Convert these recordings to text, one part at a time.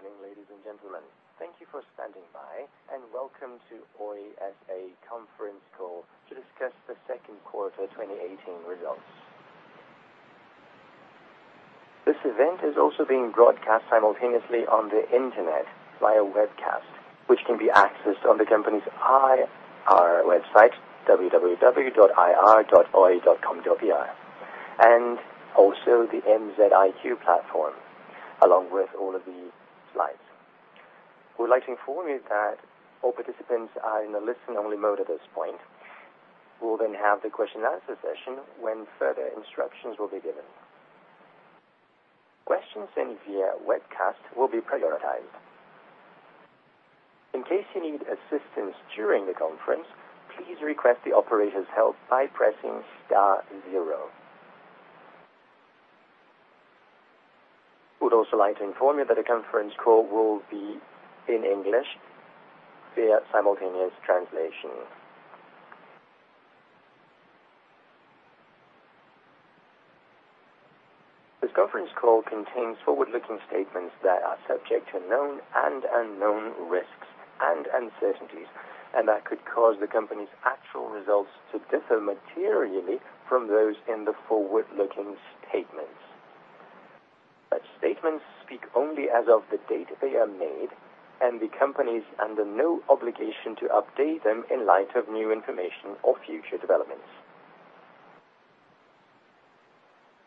Good morning, ladies and gentlemen. Thank you for standing by, and welcome to Oi S.A. conference call to discuss the second quarter 2018 results. This event is also being broadcast simultaneously on the internet via webcast, which can be accessed on the company's IR website, www.ir.oi.com.br, and also the MZiQ platform, along with all of the slides. We would like to inform you that all participants are in a listen-only mode at this point. We will then have the question and answer session when further instructions will be given. Questions via webcast will be prioritized. In case you need assistance during the conference, please request the operator's help by pressing star zero. We would also like to inform you that the conference call will be in English via simultaneous translation. This conference call contains forward-looking statements that are subject to known and unknown risks and uncertainties, and that could cause the company's actual results to differ materially from those in the forward-looking statements. Such statements speak only as of the date they are made, the company is under no obligation to update them in light of new information or future developments.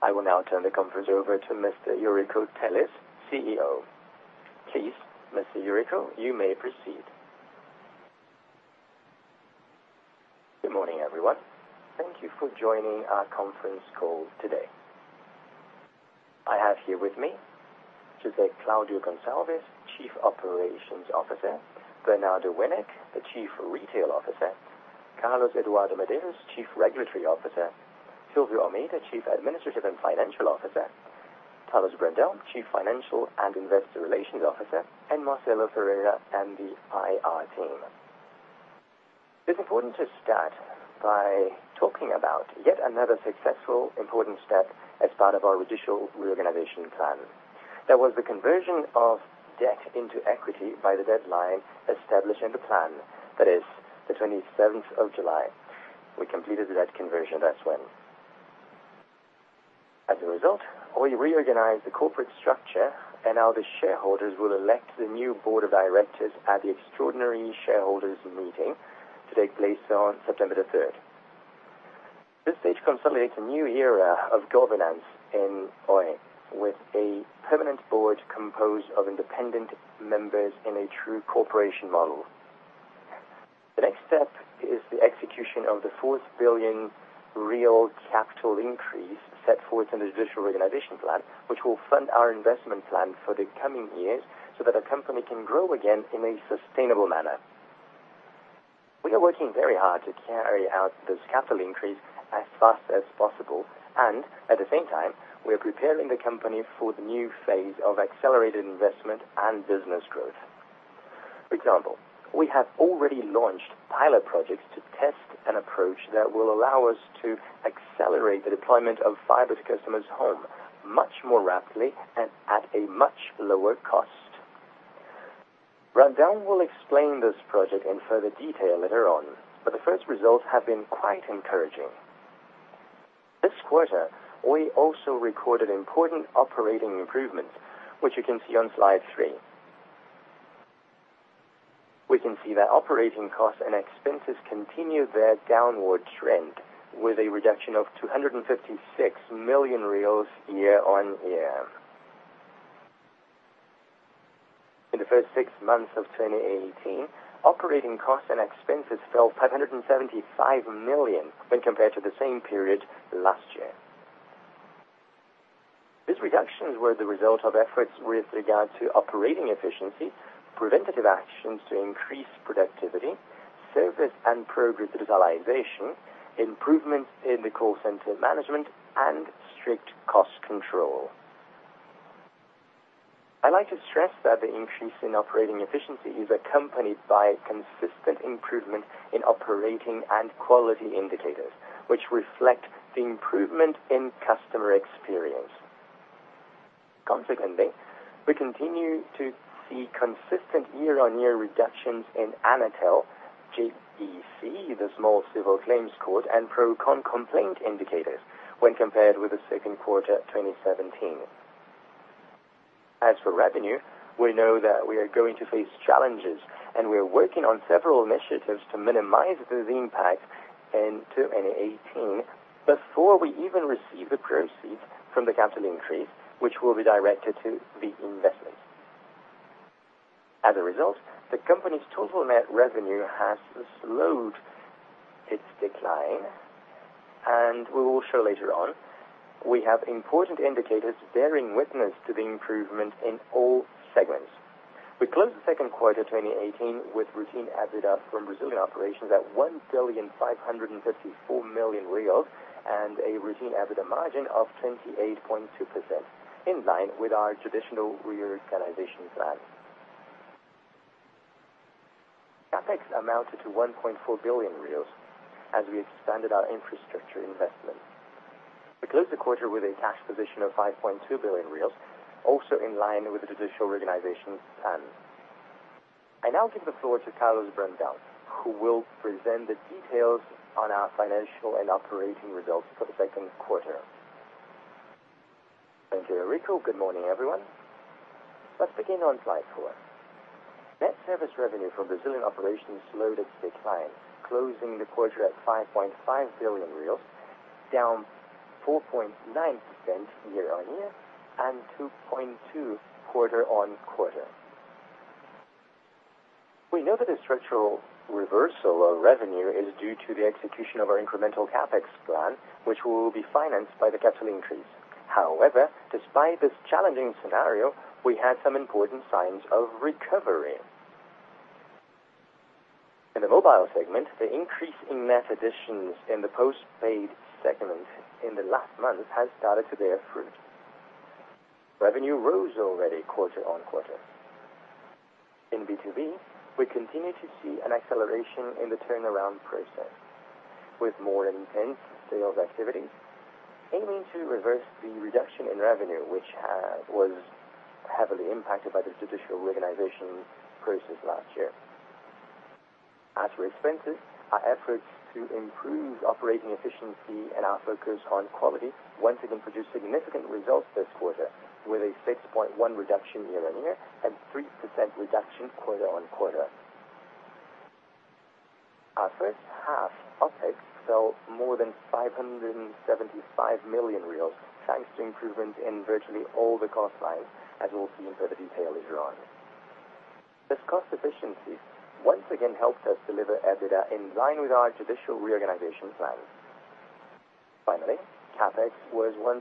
I will now turn the conference over to Mr. Eurico Teles, CEO. Please, Mr. Eurico, you may proceed. Good morning, everyone. Thank you for joining our conference call today. I have here with me, José Claudio Gonçalves, Chief Operations Officer, Bernardo Winik, the Chief Retail Officer, Carlos Eduardo Medeiros, Chief Regulatory Officer, Silvio Almeida, Chief Administrative and Financial Officer, Carlos Brandão, Chief Financial and Investor Relations Officer, and Marcelo Ferreira and the IR team. It's important to start by talking about yet another successful important step as part of our judicial reorganization plan. That was the conversion of debt into equity by the deadline established in the plan, that is, the 27th of July. We completed that conversion then. As a result, Oi reorganized the corporate structure, and now the shareholders will elect the new board of directors at the extraordinary shareholders meeting to take place on September 3rd. This stage consolidates a new era of governance in Oi, with a permanent board composed of independent members in a true corporation model. The next step is the execution of the 4 billion real capital increase set forth in the judicial reorganization plan, which will fund our investment plan for the coming years so that our company can grow again in a sustainable manner. We are working very hard to carry out this capital increase as fast as possible, at the same time, we are preparing the company for the new phase of accelerated investment and business growth. For example, we have already launched pilot projects to test an approach that will allow us to accelerate the deployment of fiber to customers' home much more rapidly and at a much lower cost. Brandão will explain this project in further detail later on, but the first results have been quite encouraging. This quarter, Oi also recorded important operating improvements, which you can see on slide three. We can see that operating costs and expenses continue their downward trend with a reduction of 256 million reais year-over-year. In the first six months of 2018, operating costs and expenses fell 575 million when compared to the same period last year. These reductions were the result of efforts with regard to operating efficiency, preventative actions to increase productivity, service and progress realization, improvements in the call center management, and strict cost control. I'd like to stress that the increase in operating efficiency is accompanied by consistent improvement in operating and quality indicators, which reflect the improvement in customer experience. Consequently, we continue to see consistent year-on-year reductions in Anatel, JEC, the small civil claims court, and Procon complaint indicators when compared with the second quarter 2017. As for revenue, we know that we are going to face challenges, we are working on several initiatives to minimize this impact in 2018 before we even receive the proceeds from the capital increase, which will be directed to the investment. As a result, the company's total net revenue has slowed its decline, we will show later on we have important indicators bearing witness to the improvement in all segments. We closed the second quarter 2018 with routine EBITDA from Brazilian operations at 1 billion reais, 554 million and a routine EBITDA margin of 28.2%, in line with our traditional reorganization plan. CapEx amounted to 1.4 billion as we expanded our infrastructure investment. We closed the quarter with a cash position of 5.2 billion reais, also in line with the judicial reorganization plan. I now give the floor to Carlos Brandão, who will present the details on our financial and operating results for the second quarter. Thank you, Eurico. Good morning, everyone. Let's begin on slide four. Net service revenue from Brazilian operations slowed its decline, closing the quarter at 5.5 billion reais, down 4.9% year-on-year and 2.2% quarter-on-quarter. We know that the structural reversal of revenue is due to the execution of our incremental CapEx plan, which will be financed by the capital increase. However, despite this challenging scenario, we had some important signs of recovery. In the mobile segment, the increase in net additions in the postpaid segment in the last month has started to bear fruit. Revenue rose already quarter-on-quarter. In B2B, we continue to see an acceleration in the turnaround process with more intense sales activity, aiming to reverse the reduction in revenue, which was heavily impacted by the judicial reorganization process last year. As for expenses, our efforts to improve operating efficiency and our focus on quality once again produced significant results this quarter with a 6.1% reduction year-on-year and 3% reduction quarter-on-quarter. Our first half Opex fell more than 575 million, thanks to improvement in virtually all the cost lines, as we'll see in further detail later on. This cost efficiency once again helped us deliver EBITDA in line with our judicial reorganization plan. Finally, CapEx was 1.4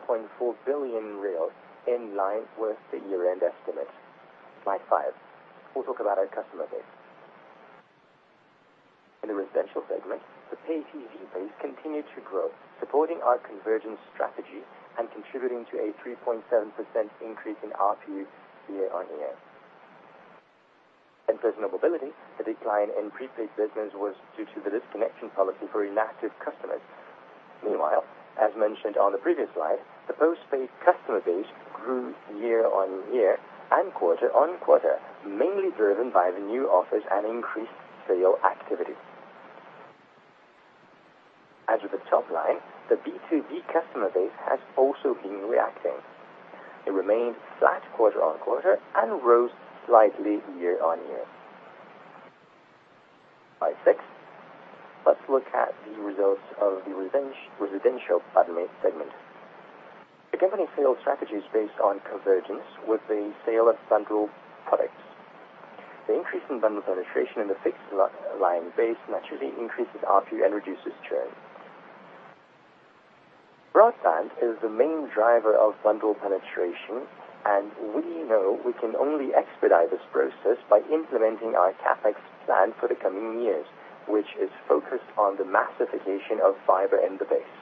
billion real, in line with the year-end estimate. Slide five. We'll talk about our customer base. In the residential segment, the pay TV base continued to grow, supporting our convergence strategy and contributing to a 3.7% increase in ARPU year-on-year. In personal mobility, the decline in prepaid business was due to the disconnection policy for inactive customers. Meanwhile, as mentioned on the previous slide, the postpaid customer base grew year-on-year and quarter-on-quarter, mainly driven by the new offers and increased sale activity. As with the top line, the B2B customer base has also been reacting. It remained flat quarter-over-quarter and rose slightly year-over-year. Slide six. Let's look at the results of the residential segment. The company sales strategy is based on convergence with the sale of bundled products. The increase in bundle penetration in the fixed line base naturally increases ARPU and reduces churn. Broadband is the main driver of bundle penetration, and we know we can only expedite this process by implementing our CapEx plan for the coming years, which is focused on the massification of fiber in the base.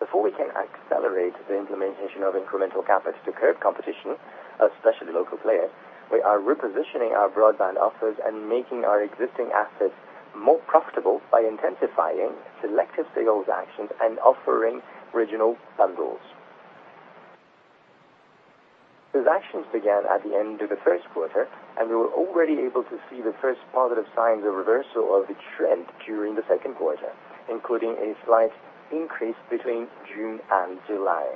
Before we can accelerate the implementation of incremental CapEx to curb competition, especially local players, we are repositioning our broadband offers and making our existing assets more profitable by intensifying selective sales actions and offering regional bundles. These actions began at the end of the first quarter, and we were already able to see the first positive signs of reversal of the trend during the second quarter, including a slight increase between June and July.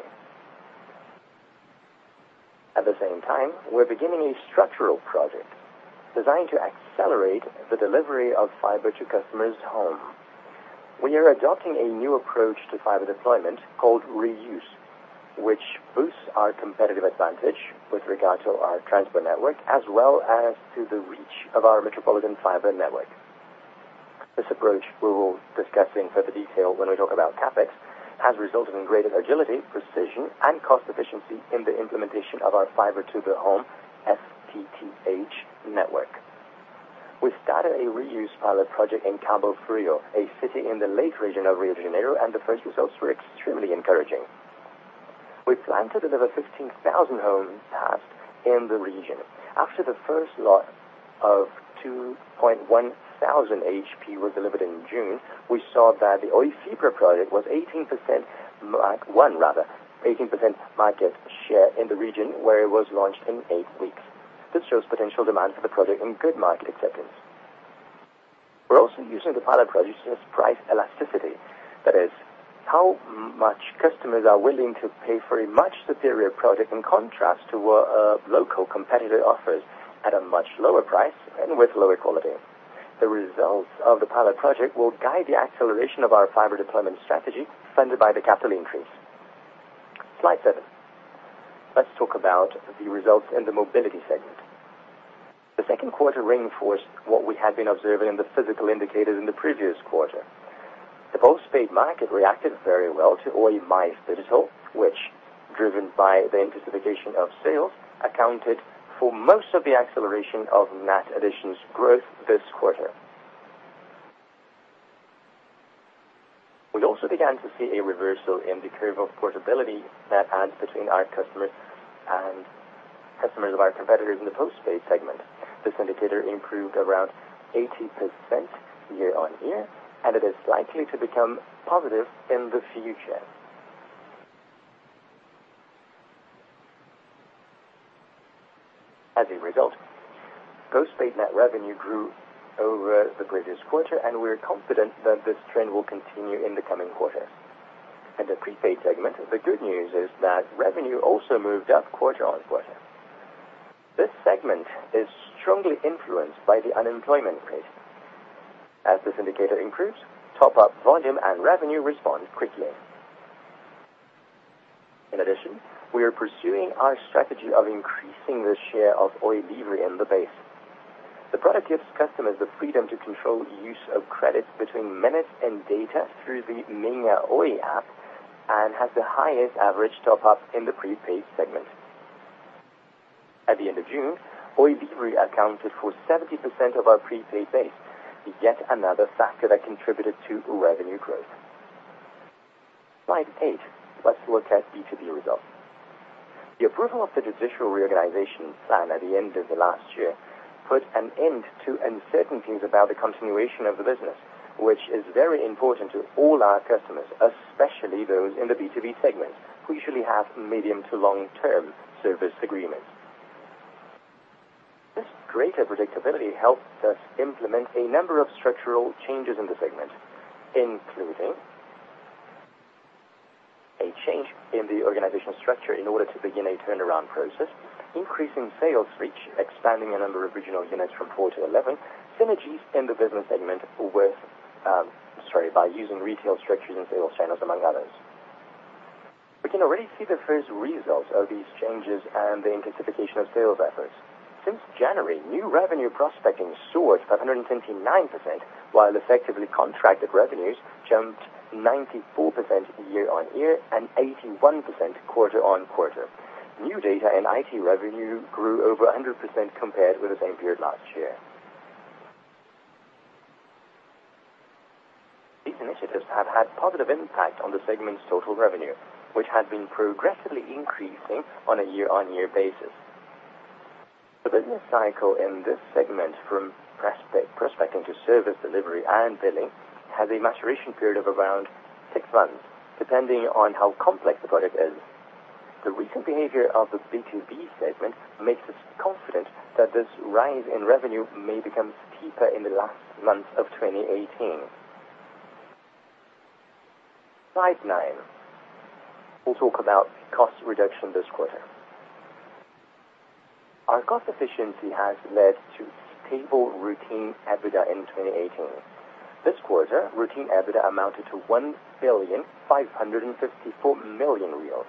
At the same time, we're beginning a structural project designed to accelerate the delivery of fiber to customers' home. We are adopting a new approach to fiber deployment called reuse, which boosts our competitive advantage with regard to our transport network, as well as to the reach of our metropolitan fiber network. This approach we will discuss in further detail when we talk about CapEx, has resulted in greater agility, precision, and cost efficiency in the implementation of our fiber to the home, FTTH network. We started a reuse pilot project in Cabo Frio, a city in the Região dos Lagos of Rio de Janeiro, and the first results were extremely encouraging. We plan to deliver 15,000 homes passed in the region. After the first lot of 2,100 HP were delivered in June, we saw that the Oi Fibra project was 18% market share in the region where it was launched in eight weeks. This shows potential demand for the project and good market acceptance. We're also using the pilot project as price elasticity. That is, how much customers are willing to pay for a much superior product in contrast to what a local competitor offers at a much lower price and with lower quality. The results of the pilot project will guide the acceleration of our fiber deployment strategy funded by the capital increase. Slide seven. Let's talk about the results in the mobility segment. The second quarter reinforced what we had been observing in the physical indicators in the previous quarter. The postpaid market reacted very well to Oi Mais Digital, which driven by the intensification of sales, accounted for most of the acceleration of net additions growth this quarter. We also began to see a reversal in the curve of portability net adds between our customers and customers of our competitors in the postpaid segment. This indicator improved around 80% year-over-year, and it is likely to become positive in the future. As a result, postpaid net revenue grew over the previous quarter, and we're confident that this trend will continue in the coming quarters. In the prepaid segment, the good news is that revenue also moved up quarter-over-quarter. This segment is strongly influenced by the unemployment rate. As this indicator improves, top-up volume and revenue respond quickly. In addition, we are pursuing our strategy of increasing the share of Oi Livre in the base. The product gives customers the freedom to control use of credits between minutes and data through the Minha Oi app and has the highest average top-up in the prepaid segment. At the end of June, Oi Livre accounted for 70% of our prepaid base, yet another factor that contributed to revenue growth. Slide eight. Let's look at B2B results. The approval of the judicial reorganization plan at the end of the last year put an end to uncertainties about the continuation of the business, which is very important to all our customers, especially those in the B2B segment, who usually have medium to long-term service agreements. This greater predictability helped us implement a number of structural changes in the segment, including a change in the organizational structure in order to begin a turnaround process, increasing sales reach, expanding the number of regional units from four to 11, synergies in the business segment by using retail structures and sales channels, among others. We can already see the first results of these changes and the intensification of sales efforts. Since January, new revenue prospecting soared 529%, while effectively contracted revenues jumped 94% year-on-year and 81% quarter-on-quarter. New data and IT revenue grew over 100% compared with the same period last year. These initiatives have had positive impact on the segment's total revenue, which had been progressively increasing on a year-on-year basis. The business cycle in this segment from prospecting to service delivery and billing, has a maturation period of around six months, depending on how complex the product is. The recent behavior of the B2B segment makes us confident that this rise in revenue may become steeper in the last months of 2018. Slide nine. We'll talk about cost reduction this quarter. Our cost efficiency has led to stable routine EBITDA in 2018. This quarter, routine EBITDA amounted to 1,554,000,000 reais.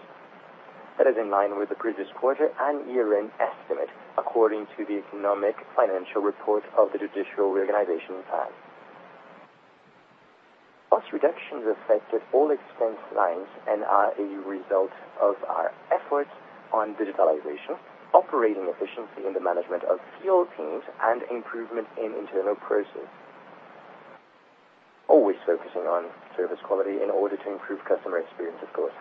That is in line with the previous quarter and year-end estimate, according to the economic financial report of the judicial reorganization plan. Cost reductions affected all expense lines and are a result of our efforts on digitalization, operating efficiency in the management of field teams, and improvement in internal process. Always focusing on service quality in order to improve customer experience, of course.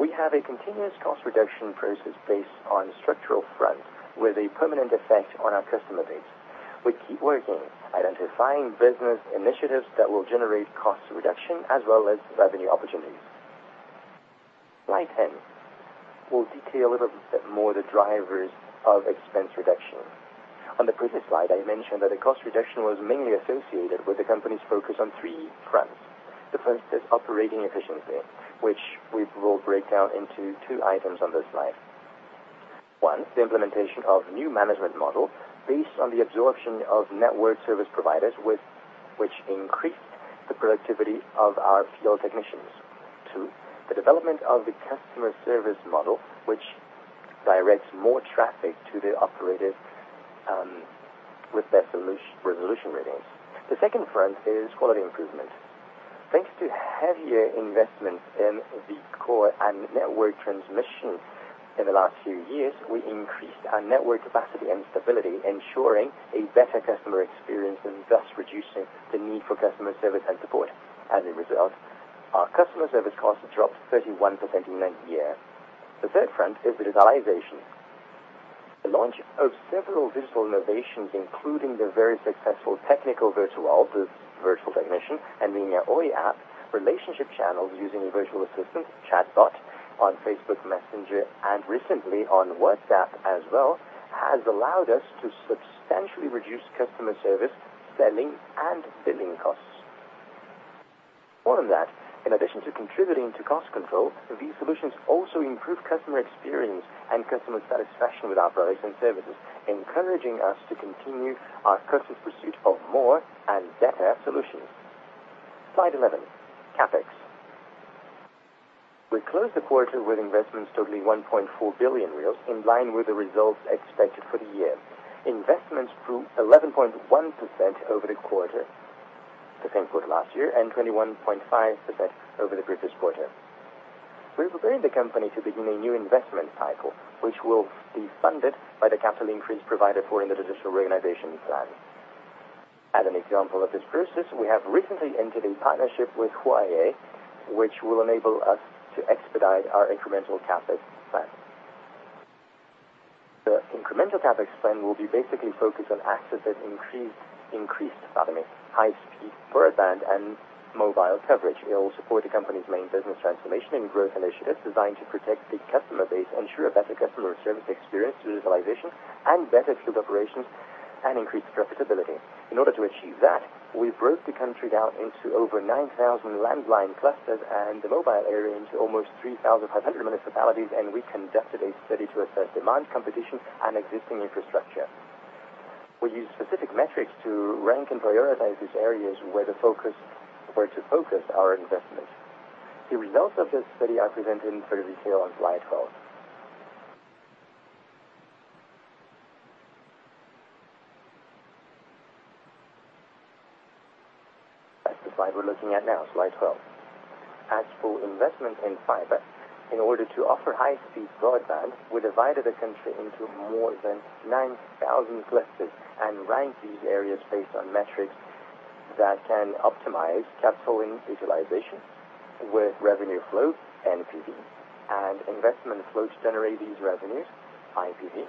We have a continuous cost reduction process based on structural front with a permanent effect on our customer base. We keep working, identifying business initiatives that will generate cost reduction as well as revenue opportunities. Slide 10. We'll detail a little bit more the drivers of expense reduction. On the previous slide, I mentioned that the cost reduction was mainly associated with the company's focus on three fronts. The first is operating efficiency, which we will break down into two items on this slide. One, the implementation of new management model based on the absorption of network service providers, which increased the productivity of our field technicians. Two, the development of the customer service model, which directs more traffic to the operators with better resolution ratings. The second front is quality improvement. Thanks to heavier investments in the core and network transmission in the last few years, we increased our network capacity and stability, ensuring a better customer experience and thus reducing the need for customer service and support. As a result, our customer service costs dropped 31% year-on-year. The third front is digitalization. The launch of several digital innovations, including the very successful Técnico Virtual and Minha Oi app, relationship channels using a virtual assistant, chatbot on Facebook Messenger, and recently on WhatsApp as well, has allowed us to substantially reduce customer service, selling, and billing costs. More than that, in addition to contributing to cost control, these solutions also improve customer experience and customer satisfaction with our products and services, encouraging us to continue our conscious pursuit of more and better solutions. Slide 11, CapEx. We closed the quarter with investments totaling 1.4 billion, in line with the results expected for the year. Investments grew 11.1% over the quarter, the same quarter last year, and 21.5% over the previous quarter. We're preparing the company to begin a new investment cycle, which will be funded by the capital increase provided for in the judicial reorganization plan. As an example of this process, we have recently entered a partnership with Huawei, which will enable us to expedite our incremental CapEx plan. The incremental CapEx plan will be basically focused on access and increased high-speed broadband and mobile coverage. It will support the company's main business transformation and growth initiatives designed to protect the customer base, ensure a better customer service experience, utilization, and better field operations, and increase profitability. In order to achieve that, we broke the country down into over 9,000 landline clusters and the mobile area into almost 3,500 municipalities. We conducted a study to assess demand, competition, and existing infrastructure. We used specific metrics to rank and prioritize these areas where to focus our investments. The results of this study are presented in further detail on slide 12. That's the slide we're looking at now, slide 12. As for investment in fiber, in order to offer high-speed broadband, we divided the country into more than 9,000 clusters and ranked these areas based on metrics that can optimize capital utilization with revenue flow, NPV, and investment flows to generate these revenues, IPV.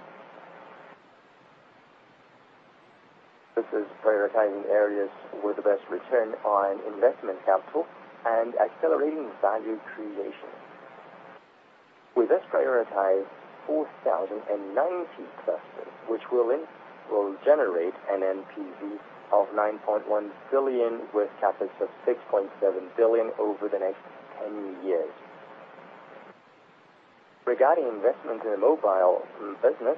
This is prioritizing areas with the best return on investment capital and accelerating value creation. We thus prioritize 4,090 clusters, which will generate an NPV of 9.1 billion with CapEx of 6.7 billion over the next 10 years. Regarding investment in the mobile business,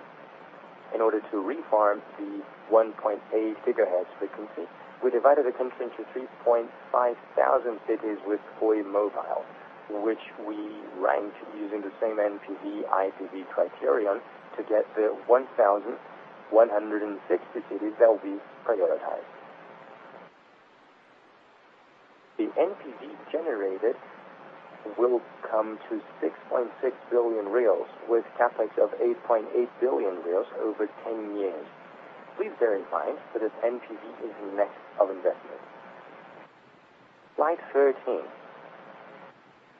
in order to reform the 1.8 gigahertz frequency, we divided the country into 3,500 cities with Oi mobile, which we ranked using the same NPV IPV criterion to get the 1,160 cities that will be prioritized. The NPV generated will come to 6.6 billion reais with CapEx of 8.8 billion reais over 10 years. Please bear in mind that this NPV is net of investment. Slide 13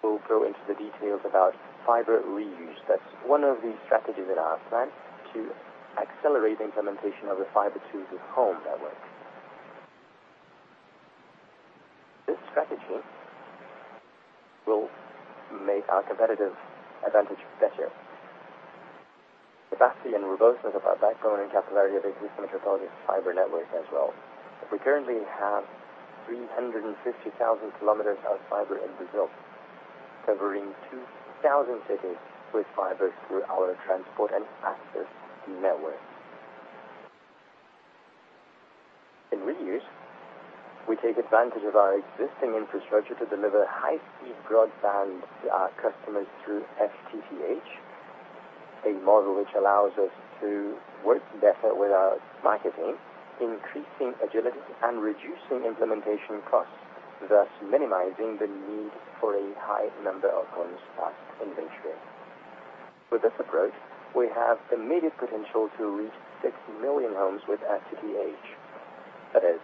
will go into the details about fiber reuse. That's one of the strategies in our plan to accelerate the implementation of the fiber to the home network. This strategy will make our competitive advantage better. The capacity and robustness of our backbone and capillarity of existing metropolitan fiber network as well. We currently have 350,000 kilometers of fiber in Brazil, covering 2,000 cities with fiber through our transport and access network. In reuse, we take advantage of our existing infrastructure to deliver high-speed broadband to our customers through FTTH, a model which allows us to work better with our marketing, increasing agility and reducing implementation costs, thus minimizing the need for a high number of homes passed inventory. With this approach, we have immediate potential to reach 6 million homes with FTTH. That is,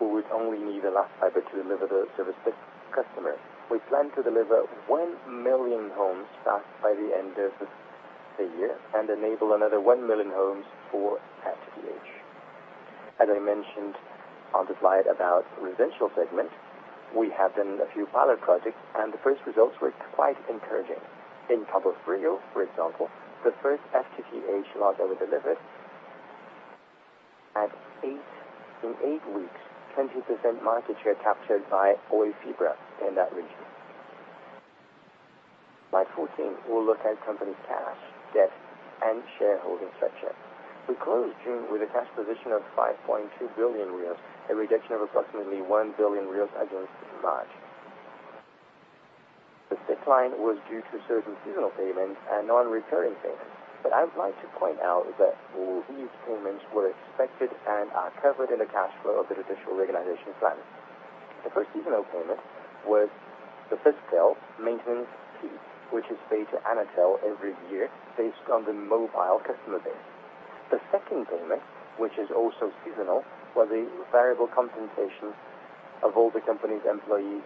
we would only need the last fiber to deliver the service to customers. We plan to deliver 1 million homes passed by the end of the year and enable another 1 million homes for FTTH. As I mentioned on the slide about residential segment, we have done a few pilot projects, and the first results were quite encouraging. In Cabo Frio, for example, the first FTTH logs that were delivered had, in 8 weeks, 20% market share captured by Oi Fibra in that region. Slide 14 will look at company cash, debt, and shareholding structure. We closed June with a cash position of 5.2 billion reais, a reduction of approximately 1 billion reais against March. This decline was due to certain seasonal payments and non-recurring payments. I would like to point out that all these payments were expected and are covered in the cash flow of the judicial reorganization plan. The first seasonal payment was the FISTEL maintenance fee, which is paid to Anatel every year based on the mobile customer base. The second payment, which is also seasonal, was a variable compensation of all the company's employees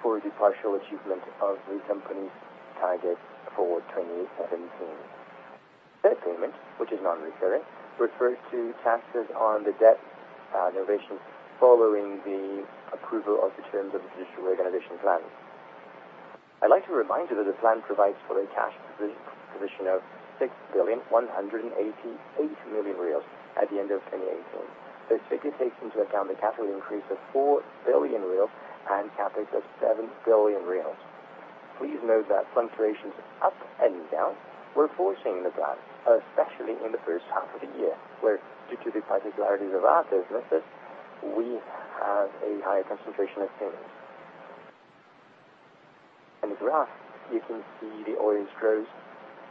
for the partial achievement of the company's targets for 2017. Third payment, which is non-recurring, refers to taxes on the debt innovation following the approval of the terms of the judicial reorganization plan. I'd like to remind you that the plan provides for a cash position of 6.188 billion at the end of 2018. This figure takes into account the capital increase of 4 billion reais and CapEx of 7 billion reais. Please note that fluctuations up and down were foreseen in the plan, especially in the first half of the year, where due to the particularities of our businesses, we have a higher concentration of payments. In the graph, you can see the orange gross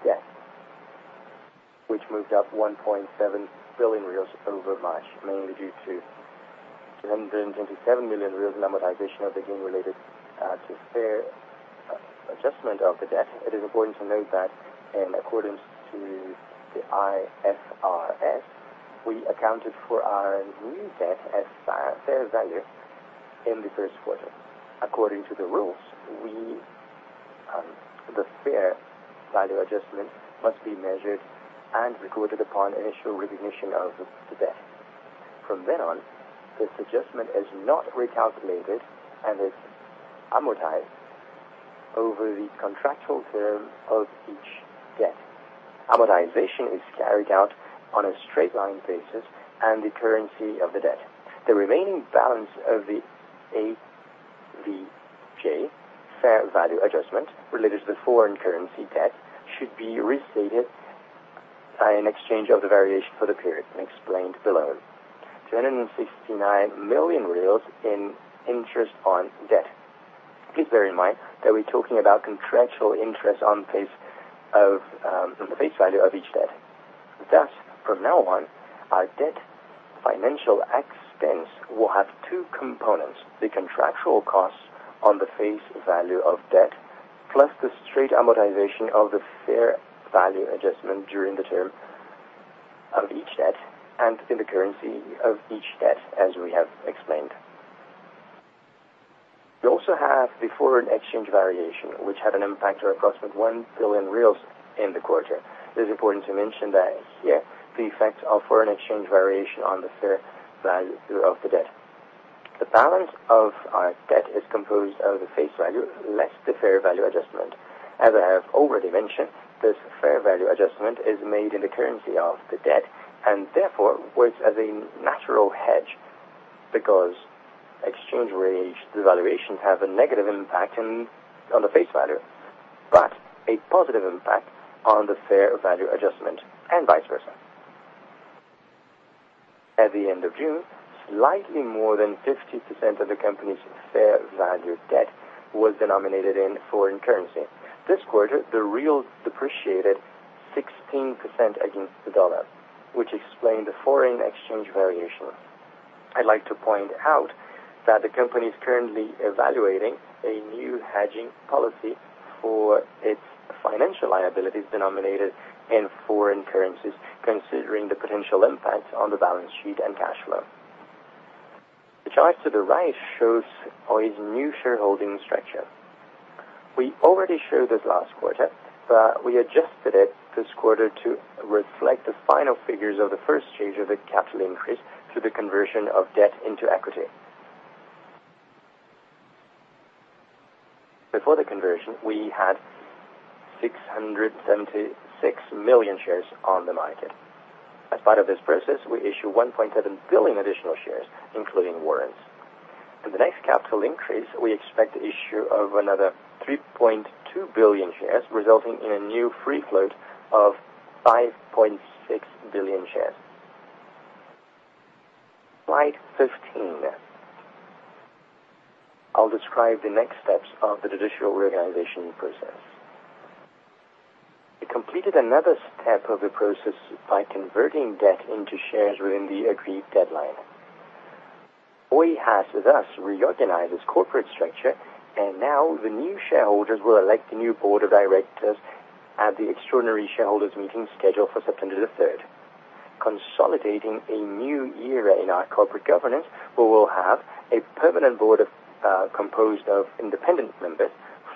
debt which moved up 1.7 billion over March, mainly due to 227 million amortization of the gain related to fair adjustment of the debt. It is important to note that in accordance to the IFRS, we accounted for our new debt as fair value in the first quarter. According to the rules, the fair value adjustment must be measured and recorded upon initial recognition of the debt. From then on, this adjustment is not recalculated and is amortized over the contractual term of each debt. Amortization is carried out on a straight line basis and the currency of the debt. The remaining balance of the AVJ fair value adjustment related to the foreign currency debt should be restated by an exchange of the variation for the period and explained below. 269 million reais in interest on debt. Please bear in mind that we're talking about contractual interest on the face value of each debt. Thus, from now on, our debt financial expense will have two components, the contractual costs on the face value of debt, plus the straight amortization of the fair value adjustment during the term of each debt, and in the currency of each debt, as we have explained. We also have the foreign exchange variation, which had an impact or a cost of 1 billion reais in the quarter. It is important to mention that here, the effect of foreign exchange variation on the fair value of the debt. The balance of our debt is composed of the face value, less the fair value adjustment. As I have already mentioned, this fair value adjustment is made in the currency of the debt, and therefore works as a natural hedge because exchange rate devaluation have a negative impact on the face value, but a positive impact on the fair value adjustment, and vice versa. At the end of June, slightly more than 50% of the company's fair value debt was denominated in foreign currency. This quarter, the BRL depreciated 16% against the U.S. dollar, which explained the foreign exchange variation. I'd like to point out that the company is currently evaluating a new hedging policy for its financial liabilities denominated in foreign currencies, considering the potential impact on the balance sheet and cash flow. The chart to the right shows Oi's new shareholding structure. We already showed this last quarter, but we adjusted it this quarter to reflect the final figures of the first change of the capital increase through the conversion of debt into equity. Before the conversion, we had 676 million shares on the market. As part of this process, we issue 1.7 billion additional shares, including warrants. For the next capital increase, we expect the issue of another 3.2 billion shares, resulting in a new free float of 5.6 billion shares. Slide 15. I'll describe the next steps of the judicial reorganization process. We completed another step of the process by converting debt into shares within the agreed deadline. Oi has thus reorganized its corporate structure, and now the new shareholders will elect the new board of directors at the extraordinary shareholders meeting scheduled for September the 3rd. Consolidating a new era in our corporate governance, we will have a permanent board composed of independent members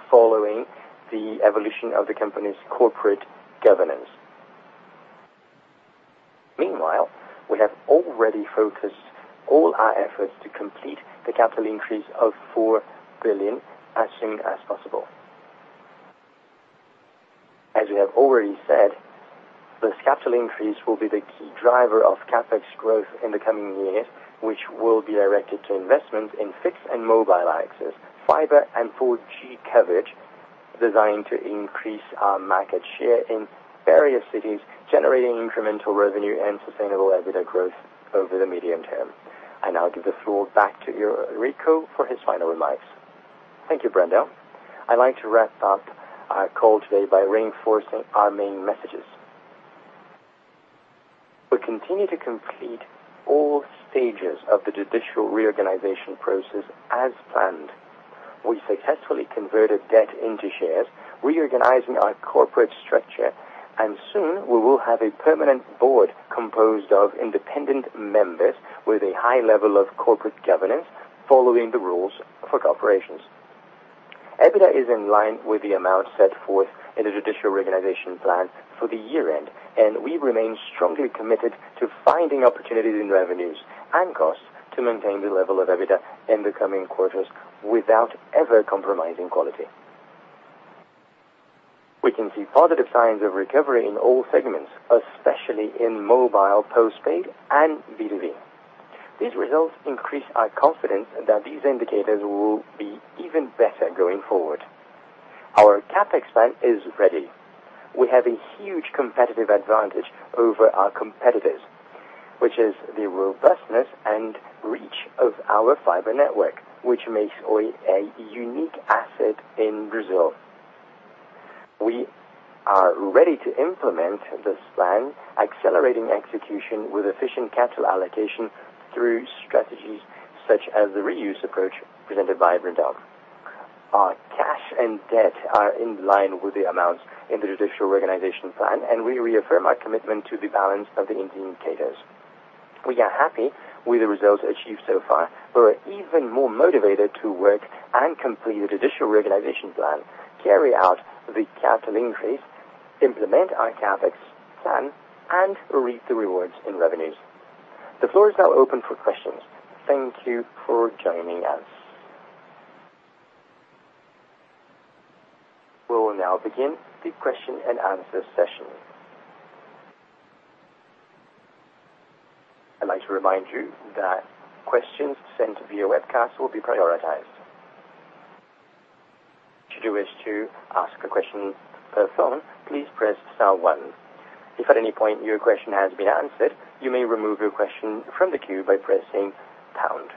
following the evolution of the company's corporate governance. Meanwhile, we have already focused all our efforts to complete the capital increase of 4 billion as soon as possible. As we have already said, this capital increase will be the key driver of CapEx growth in the coming years, which will be directed to investment in fixed and mobile access, fiber and 4G coverage designed to increase our market share in various cities, generating incremental revenue and sustainable EBITDA growth over the medium term. I now give the floor back to Eurico for his final remarks. Thank you, Brandão. I'd like to wrap up our call today by reinforcing our main messages. We continue to complete all stages of the judicial reorganization process as planned. We successfully converted debt into shares, reorganizing our corporate structure. Soon we will have a permanent board composed of independent members with a high level of corporate governance following the rules for corporations. EBITDA is in line with the amount set forth in the judicial reorganization plan for the year-end. We remain strongly committed to finding opportunities in revenues and costs to maintain the level of EBITDA in the coming quarters without ever compromising quality. We can see positive signs of recovery in all segments, especially in mobile postpaid and B2B. These results increase our confidence that these indicators will be even better going forward. Our CapEx plan is ready. We have a huge competitive advantage over our competitors, which is the robustness and reach of our fiber network, which makes Oi a unique asset in Brazil. We are ready to implement this plan, accelerating execution with efficient capital allocation through strategies such as the reuse approach presented by Brandão. Our cash and debt are in line with the amounts in the Judicial Reorganization plan. We reaffirm our commitment to the balance of the indicators. We are happy with the results achieved so far. We're even more motivated to work and complete the Judicial Reorganization plan, carry out the capital increase, implement our CapEx plan, and reap the rewards in revenues. The floor is now open for questions. Thank you for joining us. We will now begin the question and answer session. I'd like to remind you that questions sent via webcast will be prioritized. To ask a question per phone, please press star one. If at any point your question has been answered, you may remove your question from the queue by pressing pound.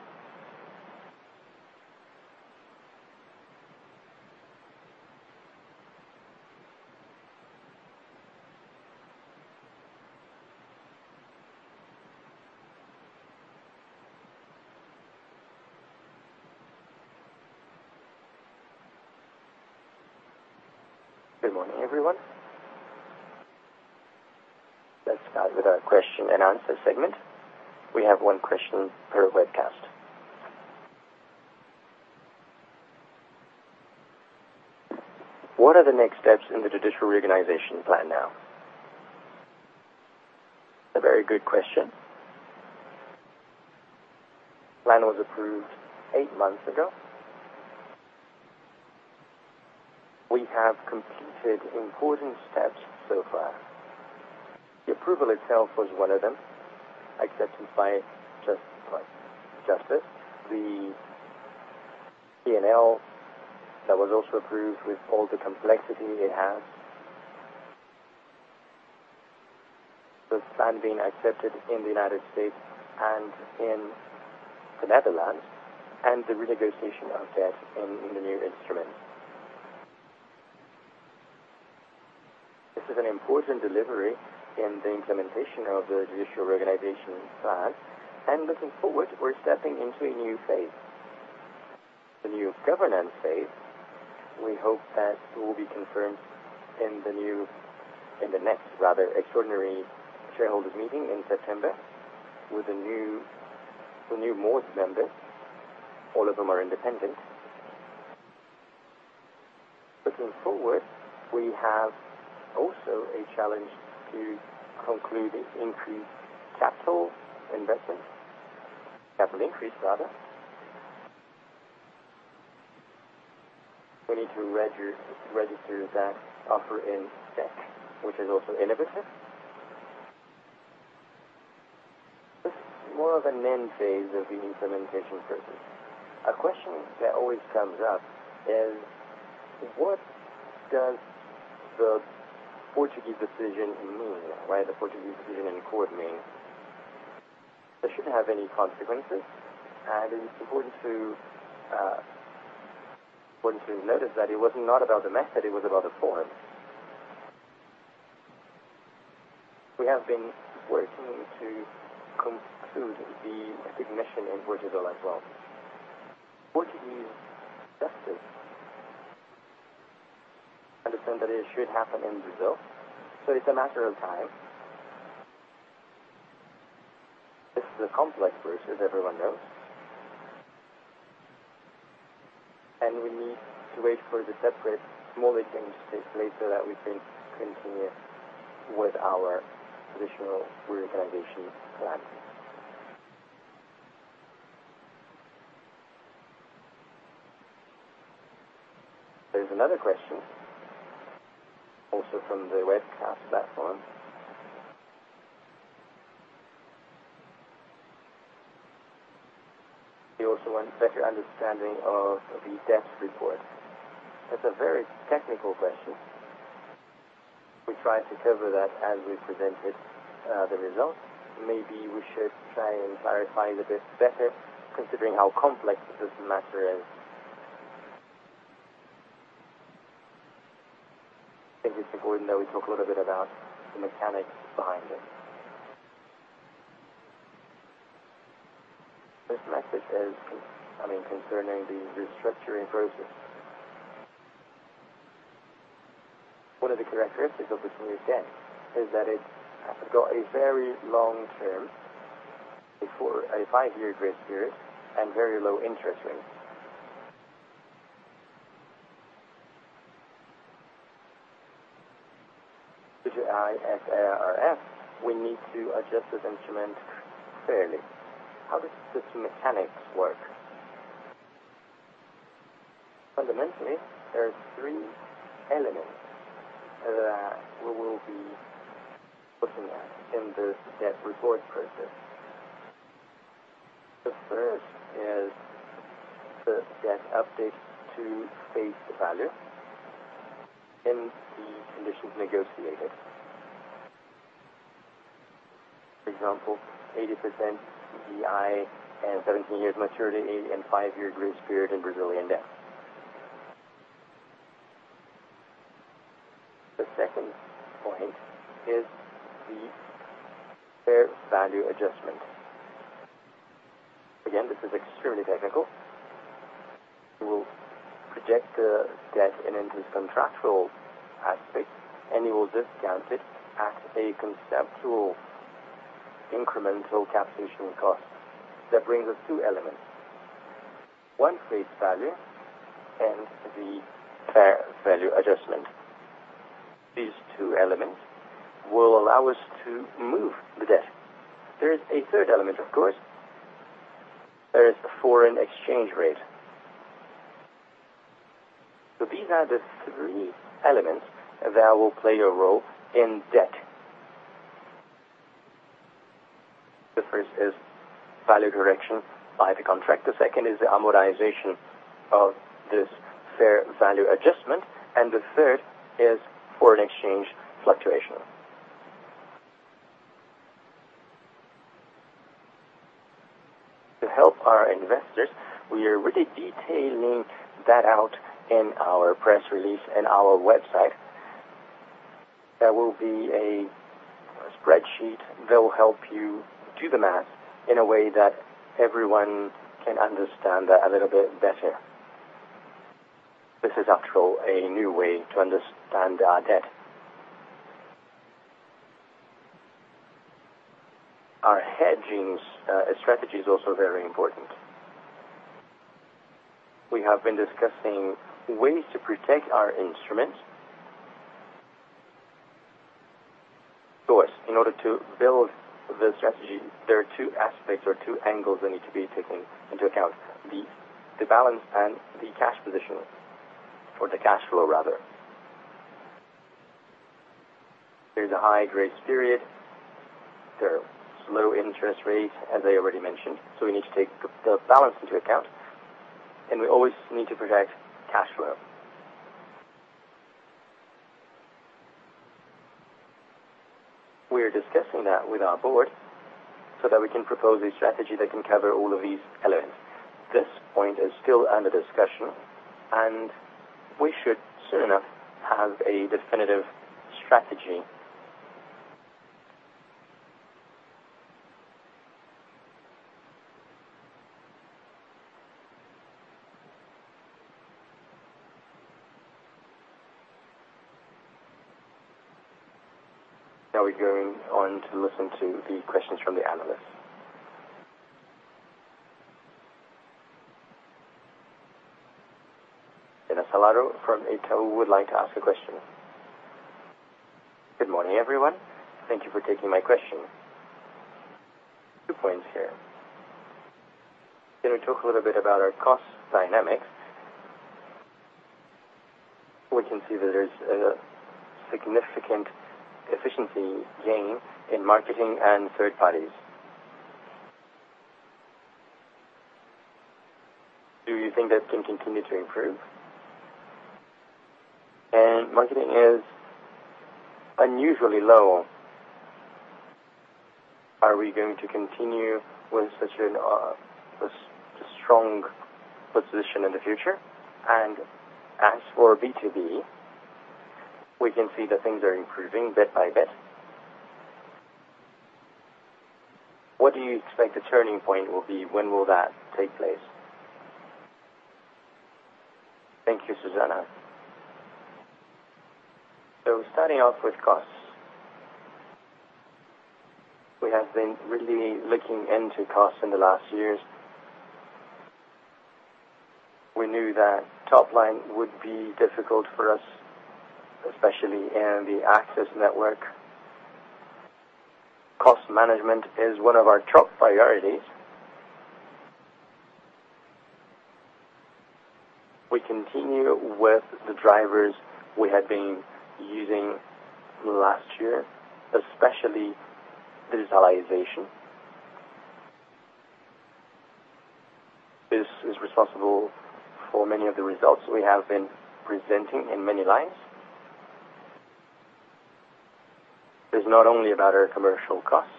Good morning, everyone. Let's start with our question and answer segment. We have one question per webcast. What are the next steps in the Judicial Reorganization plan now? A very good question. The plan was approved eight months ago. We have completed important steps so far. The approval itself was one of them, accepted by Justice. The P&L that was also approved with all the complexity it has. The plan being accepted in the United States and in the Netherlands. The renegotiation of debt in the new instrument. This is an important delivery in the implementation of the Judicial Reorganization plan. Looking forward, we're stepping into a new phase, a new governance phase. We hope that will be confirmed in the next rather extraordinary shareholders meeting in September with the new board members. All of them are independent. Looking forward, we have also a challenge to conclude capital increase. We need to register that offer in CVM, which is also innovative. This is more of an end phase of the implementation process. A question that always comes up is, what does the Portuguese decision in court mean? That shouldn't have any consequences. It is important to notice that it was not about the method, it was about the form. We have been working to conclude the recognition in Portugal as well. Portuguese justice understands that it should happen in Brazil, so it's a matter of time. This is a complex situation, as everyone knows. We need to wait for the separate small logistics later that we can continue with our traditional reorganization plan. There's another question also from the webcast platform. We also want better understanding of the debt report. That's a very technical question. We tried to cover that as we presented the results. Maybe we should try and clarify it a bit better considering how complex this matter is. I think it's important that we talk a little bit about the mechanics behind it. This message is concerning the restructuring process. One of the characteristics of this new debt is that it has got a very long term, a five-year grace period and very low interest rates. Due to IFRS, we need to adjust this instrument fairly. How does the mechanics work? Fundamentally, there are three elements that we will be looking at in the debt report process. The first is the debt update to face value and the conditions negotiated. For example, 80% CDI and 17 years maturity and five-year grace period in Brazilian debt. The second point is the fair value adjustment. Again, this is extremely technical. We will project the debt and into contractual aspects, and we will discount it at a conceptual incremental capitalization cost that brings us two elements. One face value and the fair value adjustment. These two elements will allow us to move the debt. There is a third element, of course. There is the foreign exchange rate. These are the three elements that will play a role in debt. The first is value correction by the contract. The second is the amortization of this fair value adjustment, and the third is foreign exchange fluctuation. To help our investors, we are really detailing that out in our press release in our website. There will be a spreadsheet that will help you do the math in a way that everyone can understand that a little bit better. This is actually a new way to understand our debt. Our hedging strategy is also very important. We have been discussing ways to protect our instruments. Of course, in order to build the strategy, there are two aspects or two angles that need to be taken into account, the balance and the cash position or the cash flow rather. There's a high grace period. There are low interest rates, as I already mentioned, we need to take the balance into account, and we always need to protect cash flow. We're discussing that with our board so that we can propose a strategy that can cover all of these elements. This point is still under discussion, and we should soon enough have a definitive strategy. Now we're going on to listen to the questions from the analysts. Susana Salaro from Itaú would like to ask a question. Good morning, everyone. Thank you for taking my question. Two points here. Can we talk a little bit about our cost dynamics? We can see that there's a significant efficiency gain in marketing and third parties. Do you think that can continue to improve? Marketing is unusually low. Are we going to continue with such a strong position in the future? As for B2B, we can see that things are improving bit by bit. What do you expect the turning point will be? When will that take place? Thank you, Susana. Starting off with costs. We have been really looking into costs in the last years. We knew that top line would be difficult for us, especially in the access network. Cost management is one of our top priorities. We continue with the drivers we had been using last year, especially digitalization. This is responsible for many of the results we have been presenting in many lines. It's not only about our commercial costs.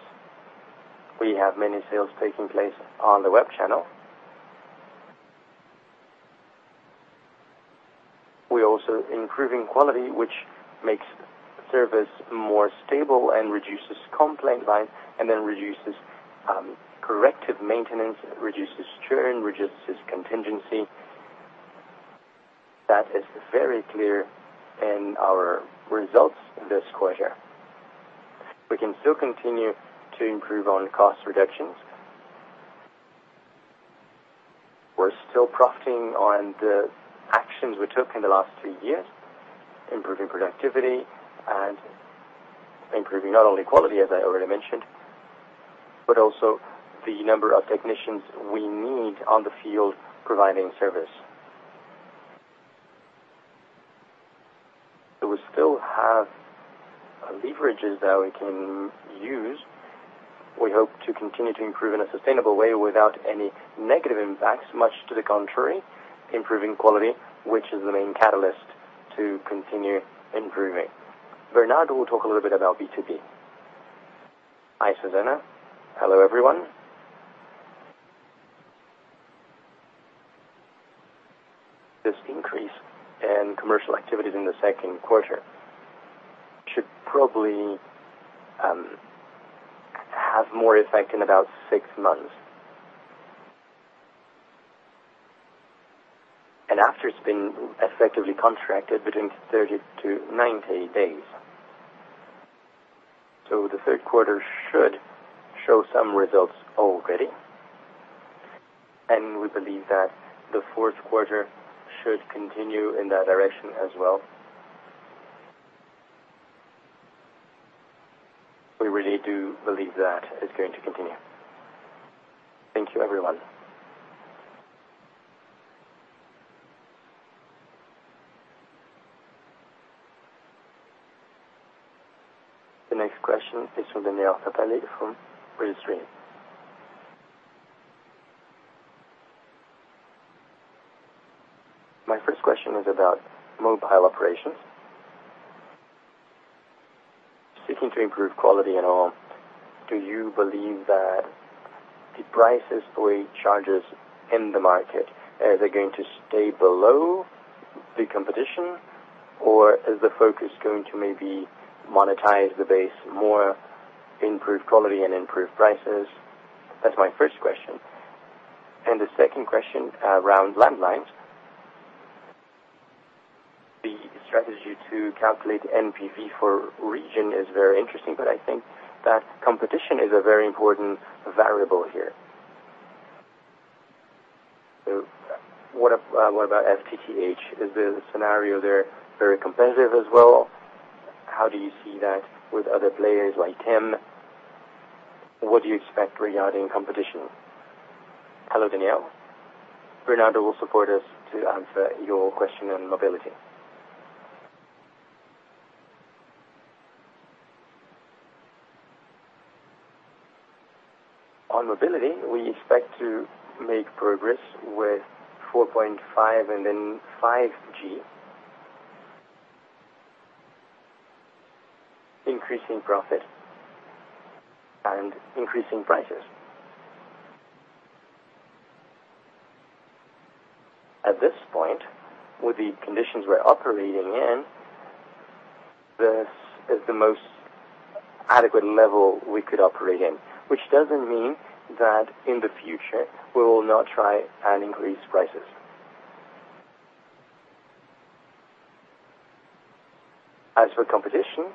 We have many sales taking place on the web channel. We're also improving quality, which makes service more stable and reduces complaint lines, reduces corrective maintenance, reduces churn, reduces contingency. That is very clear in our results this quarter. We can still continue to improve on cost reductions. We're still profiting on the actions we took in the last two years, improving productivity and improving not only quality, as I already mentioned, but also the number of technicians we need on the field providing service. We still have leverages that we can use. We hope to continue to improve in a sustainable way without any negative impacts, much to the contrary, improving quality, which is the main catalyst to continue improving. Bernardo will talk a little bit about B2B. Hi, Susana. Hello, everyone. This increase in commercial activities in the second quarter should probably have more effect in about six months. After it's been effectively contracted between 30-90 days. The third quarter should show some results already, we believe that the fourth quarter should continue in that direction as well. We really do believe that it's going to continue. Thank you, everyone. The next question is from Daniel Federle from Credit Suisse. My first question is about mobile operations. Seeking to improve quality and all, do you believe that the prices Oi charges in the market, are they going to stay below the competition or is the focus going to maybe monetize the base more, improve quality and improve prices? That's my first question. The second question around landlines. The strategy to calculate NPV for region is very interesting, I think that competition is a very important variable here. What about FTTH? Is the scenario there very competitive as well? How do you see that with other players like TIM? What do you expect regarding competition? Hello, Daniel. Bernardo will support us to answer your question on mobility. On mobility, we expect to make progress with 4.5G 5G. Increasing profit and increasing prices. At this point, with the conditions we're operating in, this is the most adequate level we could operate in, which doesn't mean that in the future we will not try and increase prices. As for competition,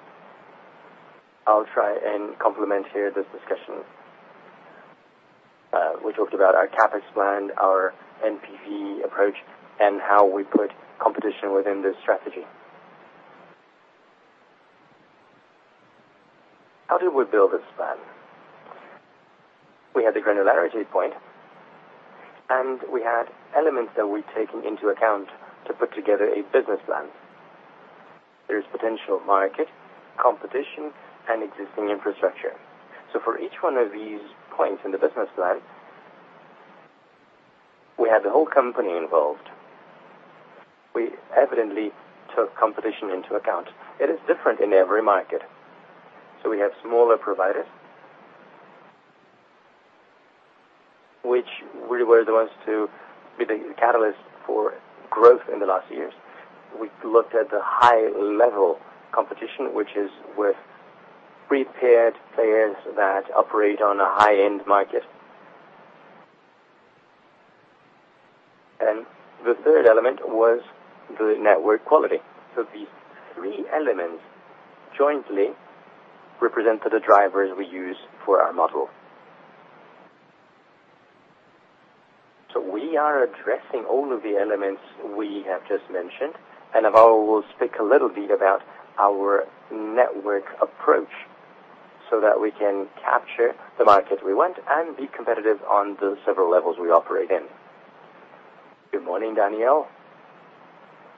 I'll try and complement here this discussion. We talked about our CapEx plan, our NPV approach, and how we put competition within this strategy. How did we build this plan? We had the granularity point, we had elements that we're taking into account to put together a business plan. There is potential market, competition, and existing infrastructure. For each one of these points in the business plan, we had the whole company involved. We evidently took competition into account. It is different in every market. We have smaller providers, which really were the ones to be the catalyst for growth in the last years. We looked at the high-level competition, which is with prepaid players that operate on a high-end market. The third element was the network quality. These three elements jointly represent the drivers we use for our model. We are addressing all of the elements we have just mentioned, Alvaro will speak a little bit about our network approach so that we can capture the market we want and be competitive on the several levels we operate in. Good morning, Daniel.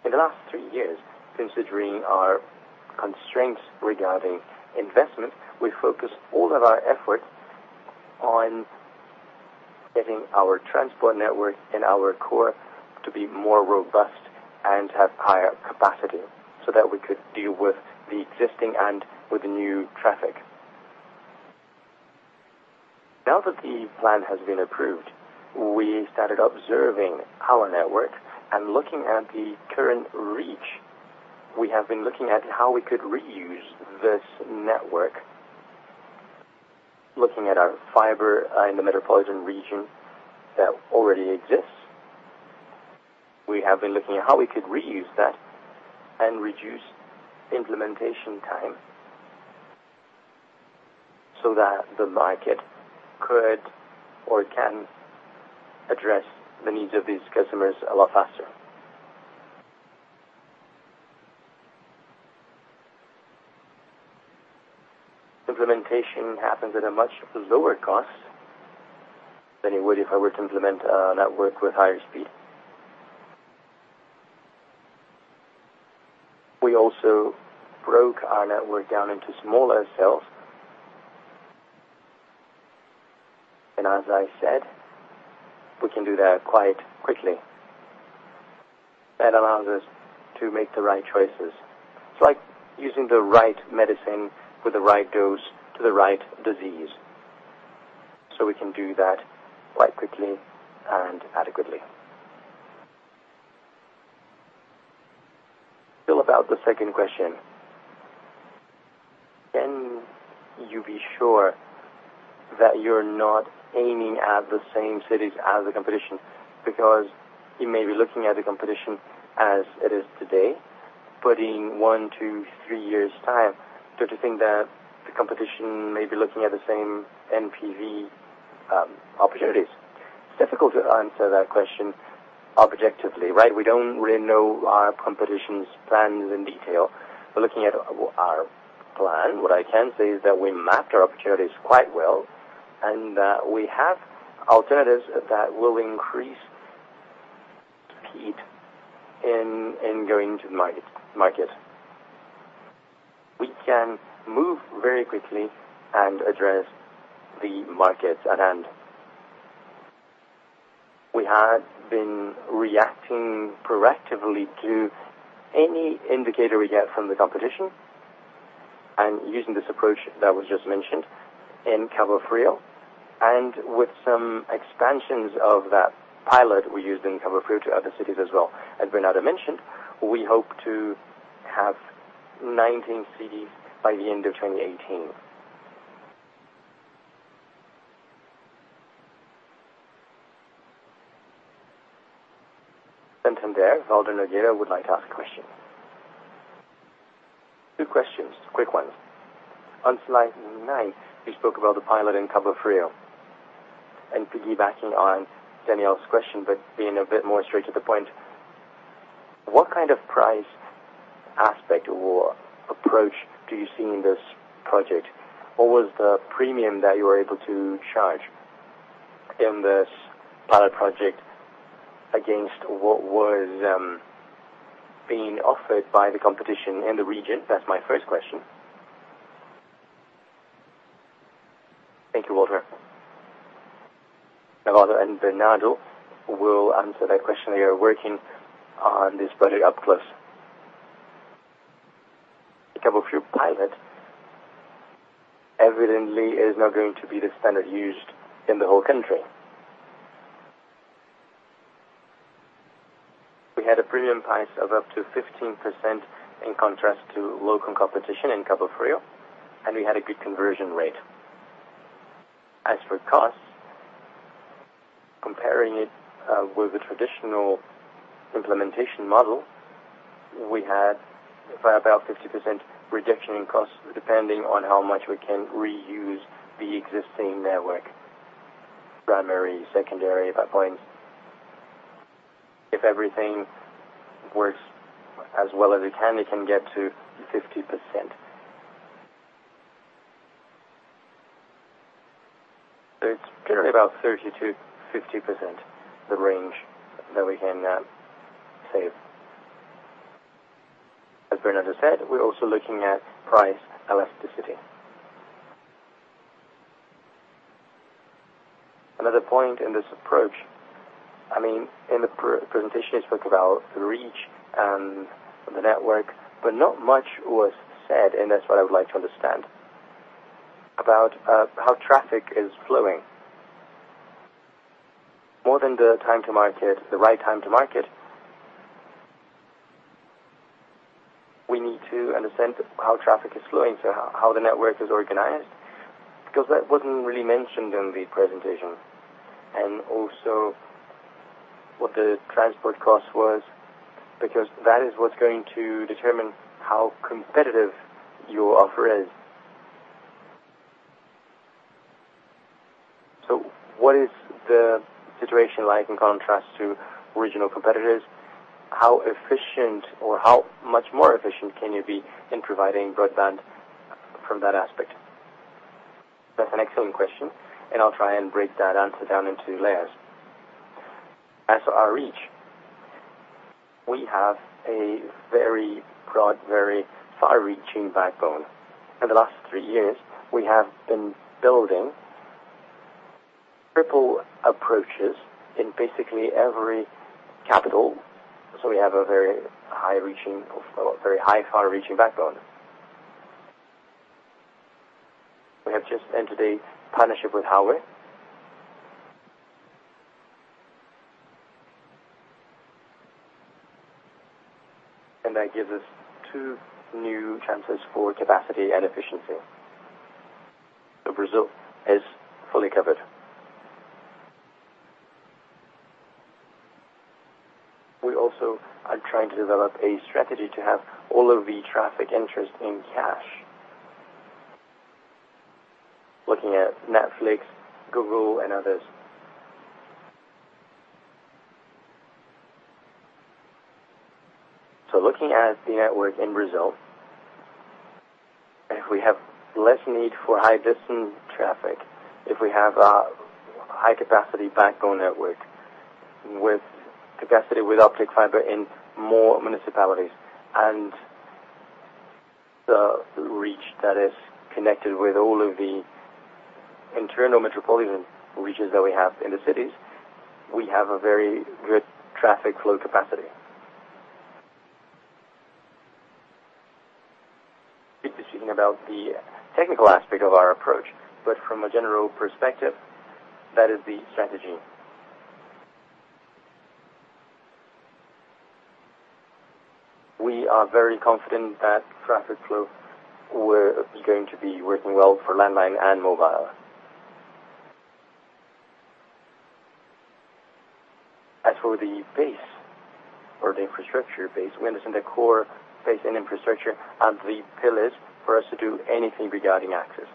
In the last three years, considering our constraints regarding investment, we focused all of our effort on getting our transport network and our core to be more robust and have higher capacity so that we could deal with the existing and with new traffic. Now that the plan has been approved, we started observing our network and looking at the current reach. We have been looking at how we could reuse this network, looking at our fiber in the metropolitan region that already exists. We have been looking at how we could reuse that and reduce implementation time so that the market could or can address the needs of these customers a lot faster. Implementation happens at a much lower cost than it would if I were to implement a network with higher speed. We also broke our network down into smaller cells. As I said, we can do that quite quickly. That allows us to make the right choices. It's like using the right medicine with the right dose to the right disease. We can do that quite quickly and adequately. Still about the second question, can you be sure that you're not aiming at the same cities as the competition? Because you may be looking at the competition as it is today, in one, two, three years' time, don't you think that the competition may be looking at the same NPV opportunities? It's difficult to answer that question objectively, right? We don't really know our competition's plans in detail. Looking at our plan, what I can say is that we mapped our opportunities quite well, that we have alternatives that will increase speed in going to market. We can move very quickly and address the markets at hand. We had been reacting proactively to any indicator we get from the competition, using this approach that was just mentioned in Cabo Frio. With some expansions of that pilot we used in Cabo Frio to other cities as well, as Bernardo mentioned, we hope to have 19 cities by the end of 2018. Santander, Valder Nogueira would like to ask a question. Two questions, quick ones. On slide nine, you spoke about the pilot in Cabo Frio. Piggybacking on Daniel's question, being a bit more straight to the point, what kind of price aspect or approach do you see in this project? What was the premium that you were able to charge in this pilot project against what was being offered by the competition in the region? That's my first question. Thank you, Valdo. Valdo and Bernardo will answer that question. They are working on this project up close. The Cabo Frio pilot evidently is not going to be the standard used in the whole country. We had a premium price of up to 15% in contrast to local competition in Cabo Frio, we had a good conversion rate. As for costs, comparing it with the traditional implementation model, we had about 50% reduction in costs, depending on how much we can reuse the existing network, primary, secondary, at that point. If everything works as well as it can, it can get to 50%. It's generally about 30%-50%, the range that we can save. As Bernardo said, we are also looking at price elasticity. Another point in this approach, in the presentation, you spoke about reach and the network, but not much was said, and that is what I would like to understand, about how traffic is flowing. More than the time to market, the right time to market, we need to understand how traffic is flowing. How the network is organized, because that was not really mentioned in the presentation. Also, what the transport cost was, because that is what is going to determine how competitive your offer is. What is the situation like in contrast to regional competitors? How efficient or how much more efficient can you be in providing broadband from that aspect? That is an excellent question, and I will try and break that answer down into layers. As for our reach, we have a very broad, very far-reaching backbone. In the last three years, we have been building triple approaches in basically every capital. We have a very high far-reaching backbone. We have just entered a partnership with Huawei, and that gives us two new chances for capacity and efficiency. Brazil is fully covered. We also are trying to develop a strategy to have all of the traffic interest in cash, looking at Netflix, Google, and others. Looking at the network in Brazil, if we have less need for high-distance traffic, if we have a high-capacity backbone network with capacity, with optic fiber in more municipalities, and the reach that is connected with all of the internal metropolitan reaches that we have in the cities, we have a very good traffic flow capacity. Speaking about the technical aspect of our approach, but from a general perspective, that is the strategy. We are very confident that traffic flow is going to be working well for landline and mobile. As for the base, or the infrastructure base, we understand the core base and infrastructure are the pillars for us to do anything regarding access.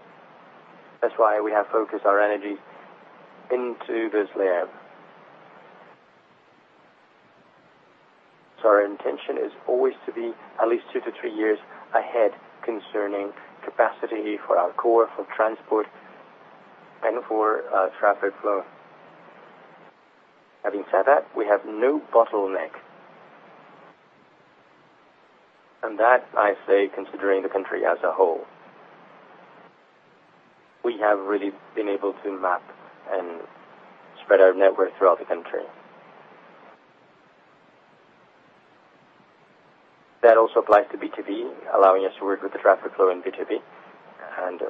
That's why we have focused our energy into this layer. Our intention is always to be at least two to three years ahead concerning capacity for our core, for transport, and for traffic flow. Having said that, we have no bottleneck. That I say considering the country as a whole. We have really been able to map and spread our network throughout the country. That also applies to B2B, allowing us to work with the traffic flow in B2B, and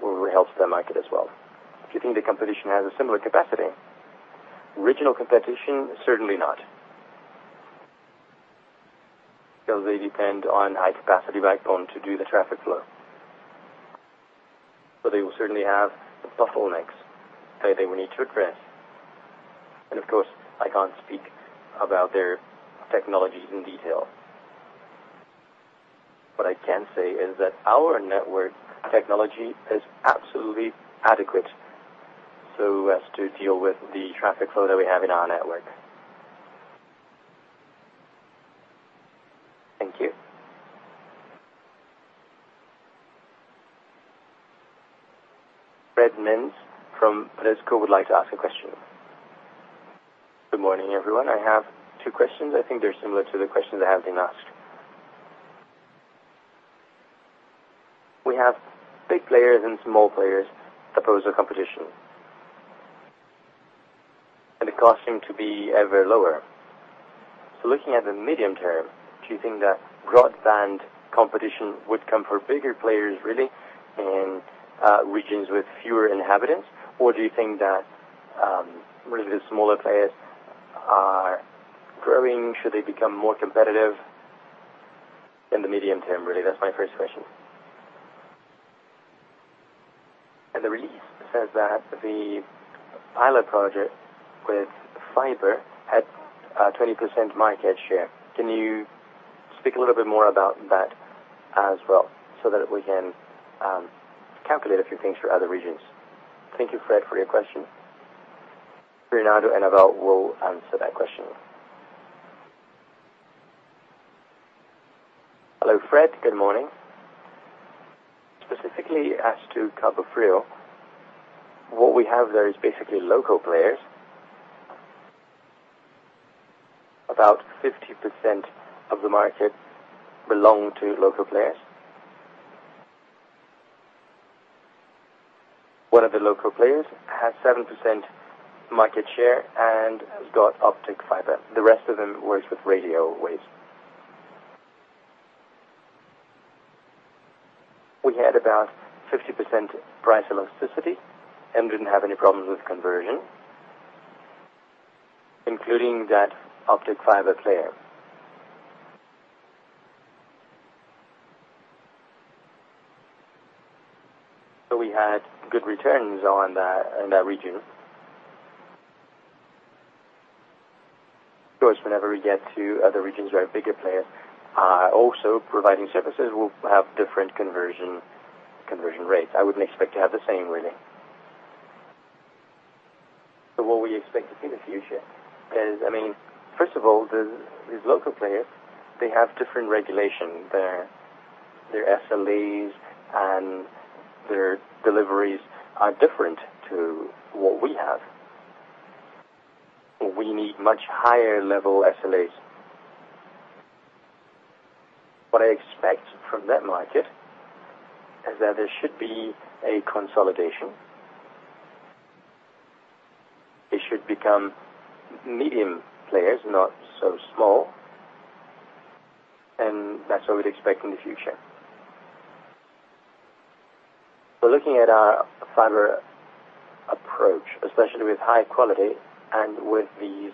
will help the market as well. Do you think the competition has a similar capacity? Regional competition, certainly not. Because they depend on high-capacity backbone to do the traffic flow. They will certainly have bottlenecks that they will need to address. Of course, I can't speak about their technologies in detail. What I can say is that our network technology is absolutely adequate so as to deal with the traffic flow that we have in our network. Thank you. Fred Mendes from Bradesco would like to ask a question. Good morning, everyone. I have two questions. I think they're similar to the questions that have been asked. We have big players and small players that pose a competition. The costs seem to be ever lower. Looking at the medium term, do you think that broadband competition would come for bigger players really in regions with fewer inhabitants? Or do you think that really the smaller players are growing? Should they become more competitive in the medium term, really? That's my first question. The release says that the pilot project with fiber had a 20% market share. Can you speak a little bit more about that as well so that we can calculate a few things for other regions? Thank you, Fred, for your question. Renato and Avel will answer that question. Hello, Fred. Good morning. Specifically as to Cabo Frio, what we have there is basically local players. About 50% of the market belong to local players. One of the local players has 7% market share and has got optic fiber. The rest of them works with radio waves. We had about 50% price elasticity and didn't have any problems with conversion, including that optic fiber player. We had good returns in that region. Whenever we get to other regions where bigger players are also providing services, we'll have different conversion rates. I wouldn't expect to have the same, really. What will you expect to see in the future? First of all, these local players, they have different regulation. Their SLAs and their deliveries are different to what we have. We need much higher level SLAs. What I expect from that market is that there should be a consolidation. They should become medium players, not so small, and that's what we'd expect in the future. Looking at our fiber approach, especially with high quality and with these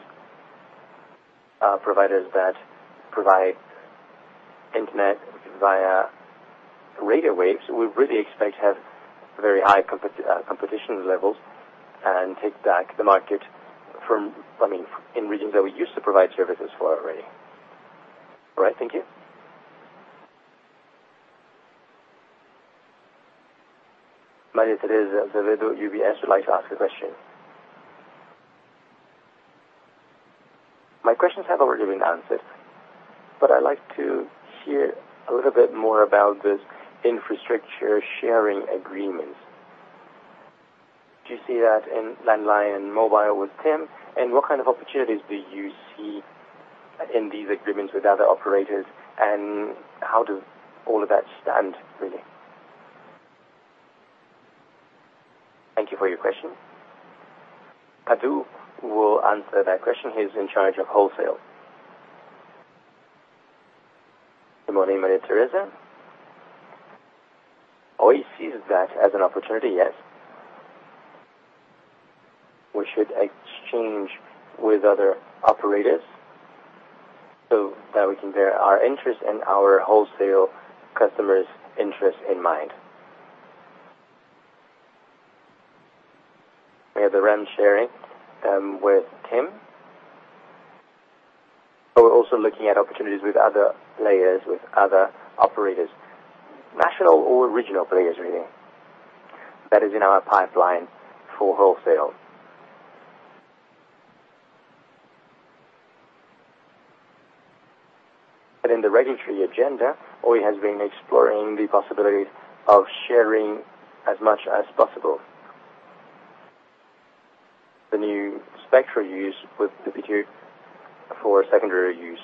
providers that provide internet via radio waves, we really expect to have very high competition levels and take back the market in regions that we used to provide services for already. All right. Thank you. Maria Tereza de Toledo, UBS, would like to ask a question. My questions have already been answered, but I'd like to hear a little bit more about this infrastructure sharing agreement. Do you see that in landline mobile with TIM? What kind of opportunities do you see in these agreements with other operators? How does all of that stand, really? Thank you for your question. Cadu will answer that question. He's in charge of wholesale. Good morning, Maria Tereza. Oi sees that as an opportunity, yes. We should exchange with other operators so that we can bear our interest and our wholesale customers' interests in mind. We have the RAN sharing with TIM, but we're also looking at opportunities with other players, with other operators, national or regional players, really. That is in our pipeline for wholesale. In the regulatory agenda, Oi has been exploring the possibilities of sharing as much as possible. The new spectrum use with the 2G for secondary use.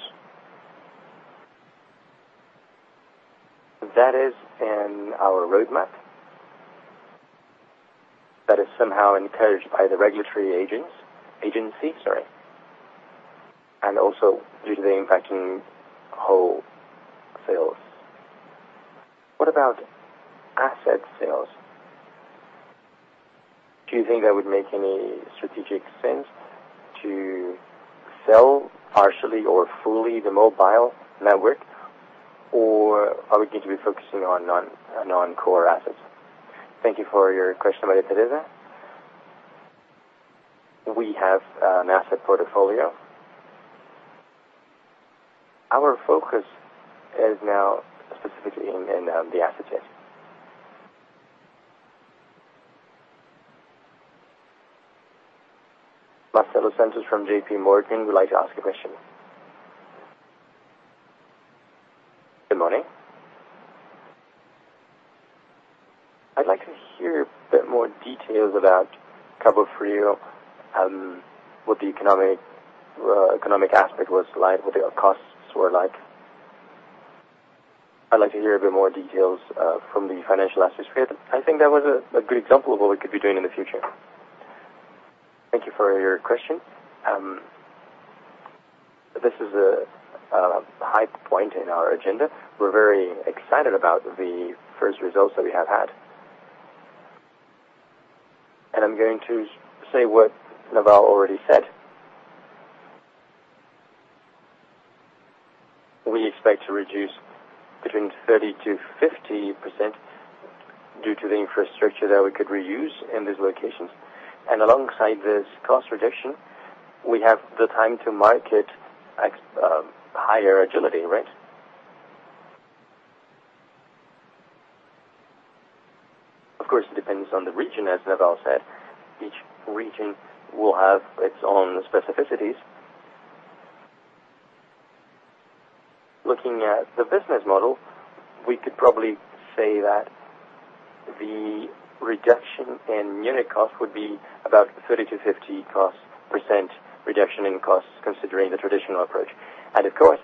That is in our roadmap. That is somehow encouraged by the regulatory agency, and also due to the impact in wholesales. What about asset sales? Do you think that would make any strategic sense to sell partially or fully the mobile network? Or are we going to be focusing on non-core assets? Thank you for your question, Maria Tereza. We have an asset portfolio. Our focus is now specifically in the assets. Marcelo Santos from J.P. Morgan would like to ask a question. Good morning. I'd like to hear a bit more details about Cabo Frio, what the economic aspect was like, what the costs were like. I'd like to hear a bit more details from the financial aspect. I think that was a good example of what we could be doing in the future. Thank you for your question. This is a high point in our agenda. We're very excited about the first results that we have had. I'm going to say what Naval already said. We expect to reduce between 30%-50% due to the infrastructure that we could reuse in these locations. Alongside this cost reduction, we have the time to market at a higher agility rate. Of course, it depends on the region, as Naval said. Each region will have its own specificities. Looking at the business model, we could probably say that the reduction in unit cost would be about 30%-50% reduction in costs considering the traditional approach. Of course,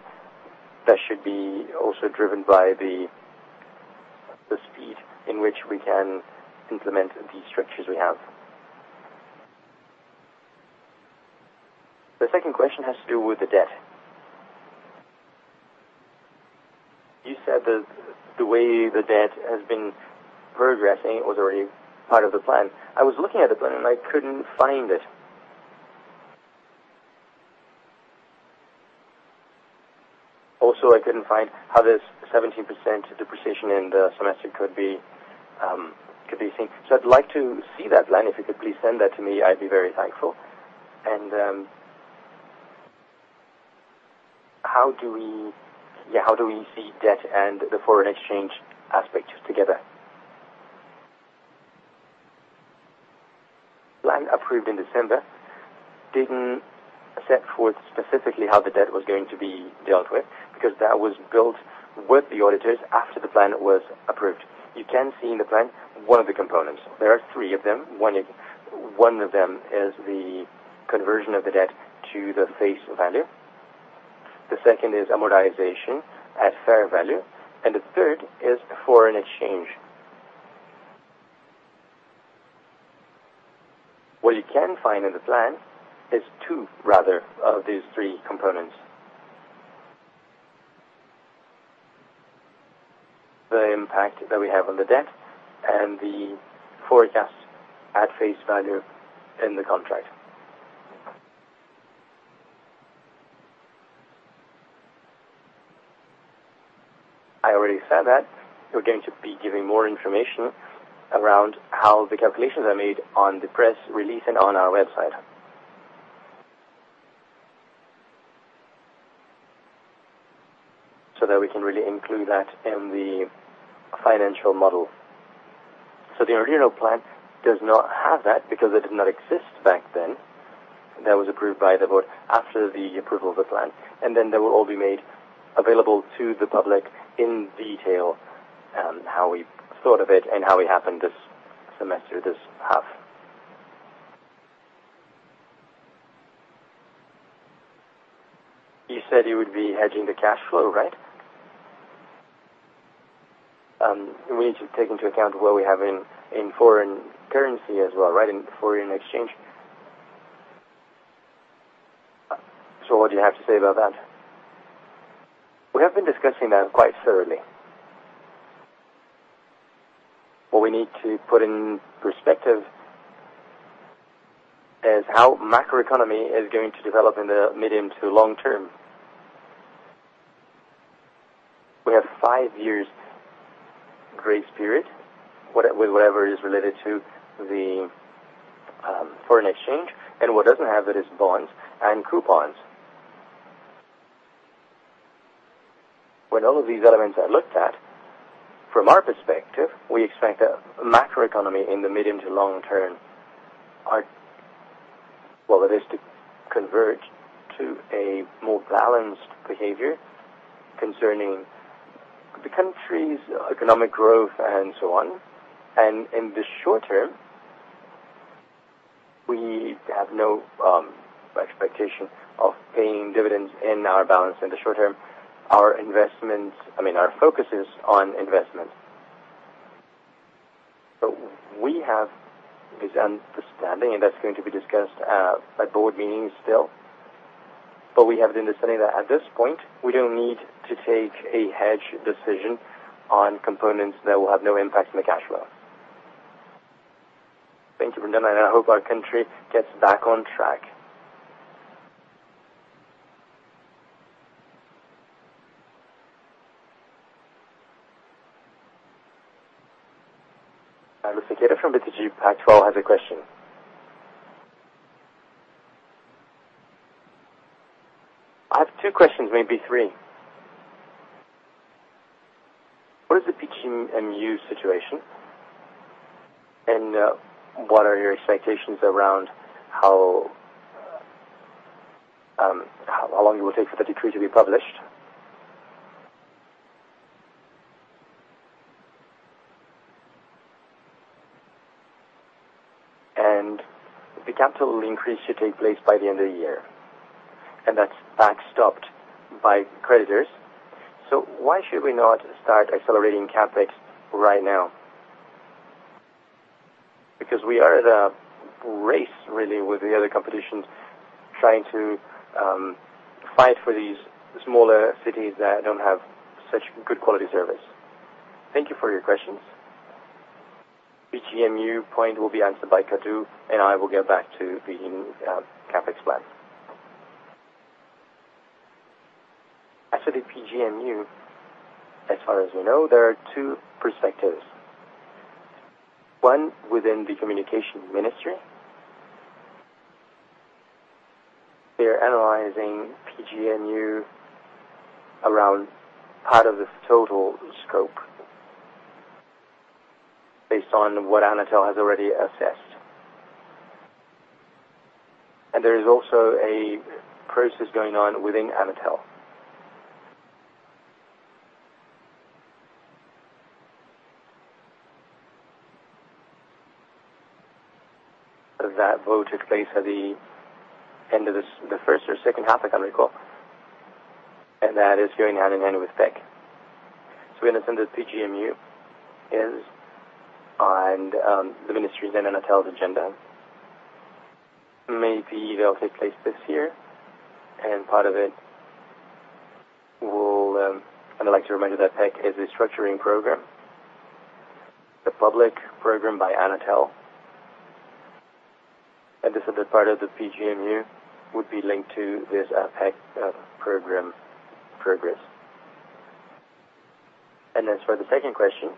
that should be also driven by the speed in which we can implement these structures we have. The second question has to do with the debt. You said that the way the debt has been progressing was already part of the plan. I was looking at the plan, and I couldn't find it. Also, I couldn't find how this 17% depreciation in the semester could be. I'd like to see that plan. If you could please send that to me, I'd be very thankful. How do we see debt and the foreign exchange aspects together? Plan approved in December didn't set forth specifically how the debt was going to be dealt with, because that was built with the auditors after the plan was approved. You can see in the plan one of the components. There are three of them. One of them is the conversion of the debt to the face value. The second is amortization at fair value, and the third is foreign exchange. What you can find in the plan is two rather of these three components. The impact that we have on the debt and the forecast at face value in the contract. I already said that. We're going to be giving more information around how the calculations are made on the press release and on our website. That we can really include that in the financial model. The original plan does not have that because it did not exist back then. That was approved by the board after the approval of the plan, then they will all be made available to the public in detail on how we thought of it and how it happened this semester, this half. You said you would be hedging the cash flow, right? We need to take into account what we have in foreign currency as well, right? In foreign exchange. What do you have to say about that? We have been discussing that quite thoroughly. What we need to put in perspective is how macroeconomy is going to develop in the medium to long term. We have five years grace period, whatever is related to the foreign exchange, and what doesn't have it is bonds and coupons. When all of these elements are looked at, from our perspective, we expect a macroeconomy in the medium to long term are what it is to converge to a more balanced behavior concerning the country's economic growth and so on. In the short term, we have no expectation of paying dividends in our balance in the short term. Our focus is on investment. We have this understanding, and that's going to be discussed at board meetings still. We have the understanding that at this point, we don't need to take a hedge decision on components that will have no impact on the cash flow. Thank you for that, and I hope our country gets back on track. Carlos Sequeira from BTG Pactual has a question. I have two questions, maybe three. What is the PGMU situation, and what are your expectations around how long it will take for the decree to be published? The capital increase should take place by the end of the year, and that's backstopped by creditors. Why should we not start accelerating CapEx right now? Because we are in a race, really, with the other competition, trying to fight for these smaller cities that don't have such good quality service. Thank you for your questions. PGMU point will be answered by Cadu, and I will get back to the CapEx plan. As for the PGMU, as far as we know, there are two perspectives. One within the communication ministry. They're analyzing PGMU around part of the total scope based on what Anatel has already assessed. There is also a process going on within Anatel. That vote took place at the end of the first or second half, I can't recall. That is going hand in hand with PEC. In a sense, the PGMU is on the ministry's and Anatel's agenda. Maybe they'll take place this year, and part of it will. I'd like to remind you that PEC is a structuring program, the public program by Anatel. This other part of the PGMU would be linked to this PEC program progress. As for the second question,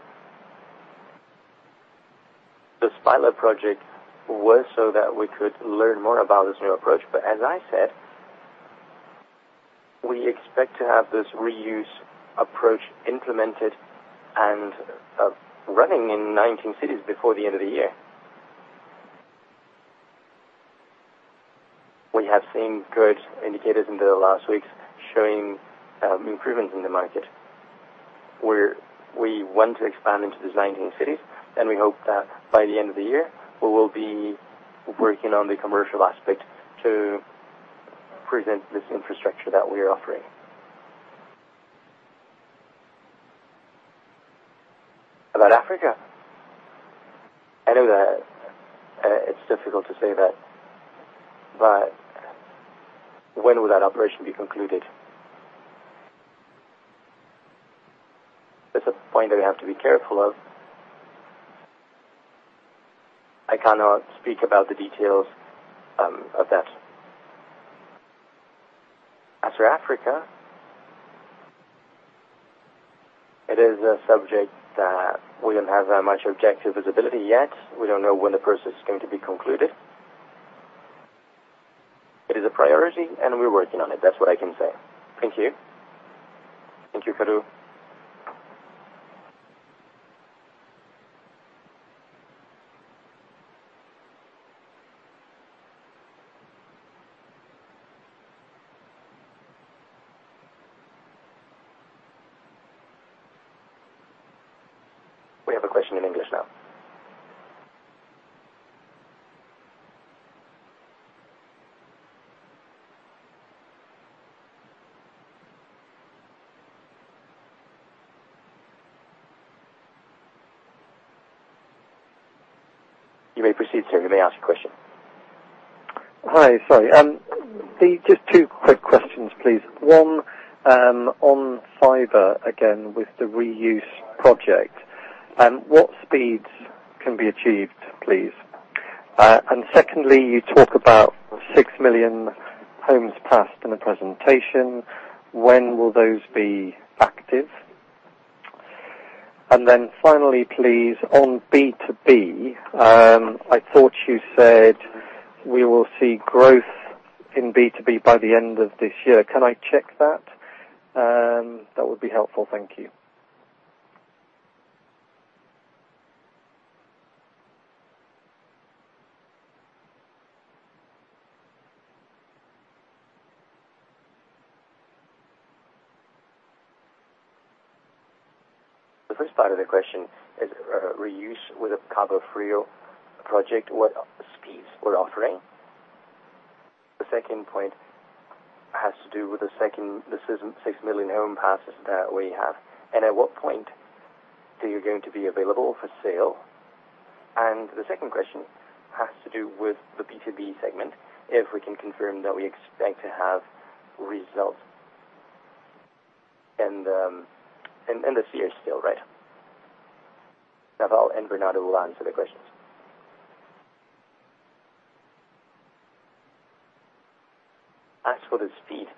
the pilot project was so that we could learn more about this new approach. As I said, we expect to have this reuse approach implemented and running in 19 cities before the end of the year. We have seen good indicators in the last weeks showing improvements in the market, where we want to expand into these 19 cities. We hope that by the end of the year, we will be working on the commercial aspect to present this infrastructure that we are offering. About Africa? I know that it's difficult to say that, but when will that operation be concluded? That's a point that we have to be careful of. I cannot speak about the details of that. As for Africa, it is a subject that we don't have that much objective visibility yet. We don't know when the process is going to be concluded. It is a priority, and we're working on it. That's what I can say. Thank you. Thank you, Faruk. We have a question in English now. You may proceed, sir. You may ask your question. Hi. Sorry. Just two quick questions, please. One, on fiber, again, with the reuse project, what speeds can be achieved, please? Secondly, you talk about 6 million homes passed in the presentation. When will those be active? Finally, please, on B2B, I thought you said we will see growth in B2B by the end of this year. Can I check that? That would be helpful. Thank you. The first part of the question is reuse with the Cabo Frio project, what speeds we're offering. The second point has to do with the 6 million home passes that we have, and at what point they are going to be available for sale. The second question has to do with the B2B segment, if we can confirm that we expect to have results in this year still, right? Naval and Bernardo will answer the questions. As for the speed,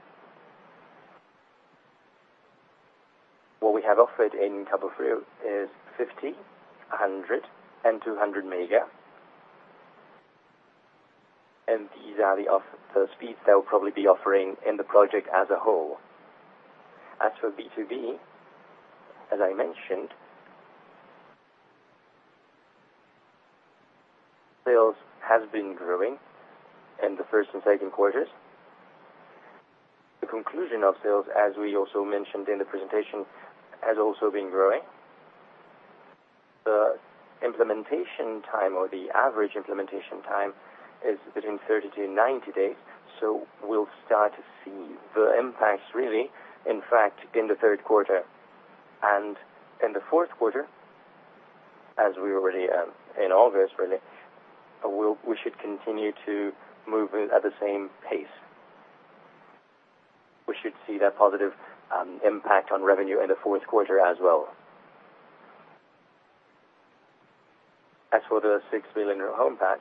what we have offered in Cabo Frio is 50, 100, and 200 mega. These are the speeds that we'll probably be offering in the project as a whole. As for B2B, as I mentioned, sales have been growing in the first and second quarters. The conclusion of sales, as we also mentioned in the presentation, has also been growing. The implementation time or the average implementation time is between 30 to 90 days. We'll start to see the impacts really, in fact, in the third quarter. In the fourth quarter, as we already have in August, really, we should continue to move at the same pace. We should see that positive impact on revenue in the fourth quarter as well. As for the 6 million new home passed,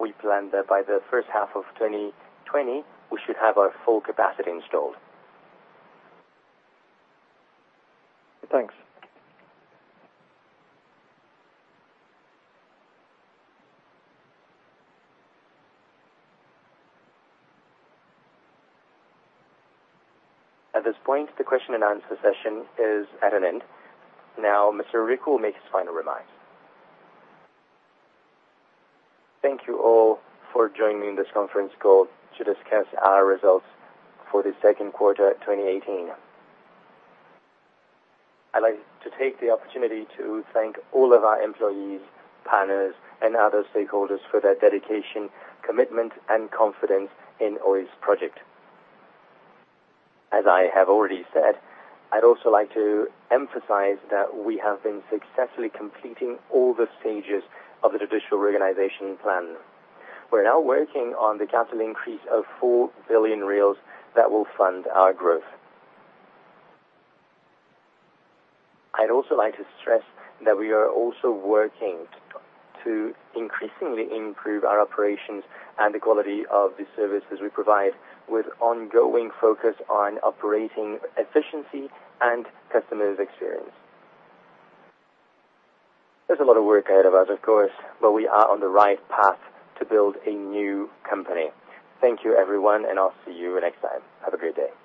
we plan that by the first half of 2020, we should have our full capacity installed. Thanks. At this point, the question and answer session is at an end. Now, Mr. Eurico will make his final remarks. Thank you all for joining this conference call to discuss our results for the second quarter 2018. I'd like to take the opportunity to thank all of our employees, partners, and other stakeholders for their dedication, commitment, and confidence in Oi's project. As I have already said, I'd also like to emphasize that we have been successfully completing all the stages of the traditional reorganization plan. We're now working on the capital increase of 4 billion reais that will fund our growth. I'd also like to stress that we are also working to increasingly improve our operations and the quality of the services we provide with ongoing focus on operating efficiency and customers' experience. There's a lot of work ahead of us, of course, but we are on the right path to build a new company. Thank you everyone, and I'll see you next time. Have a great day.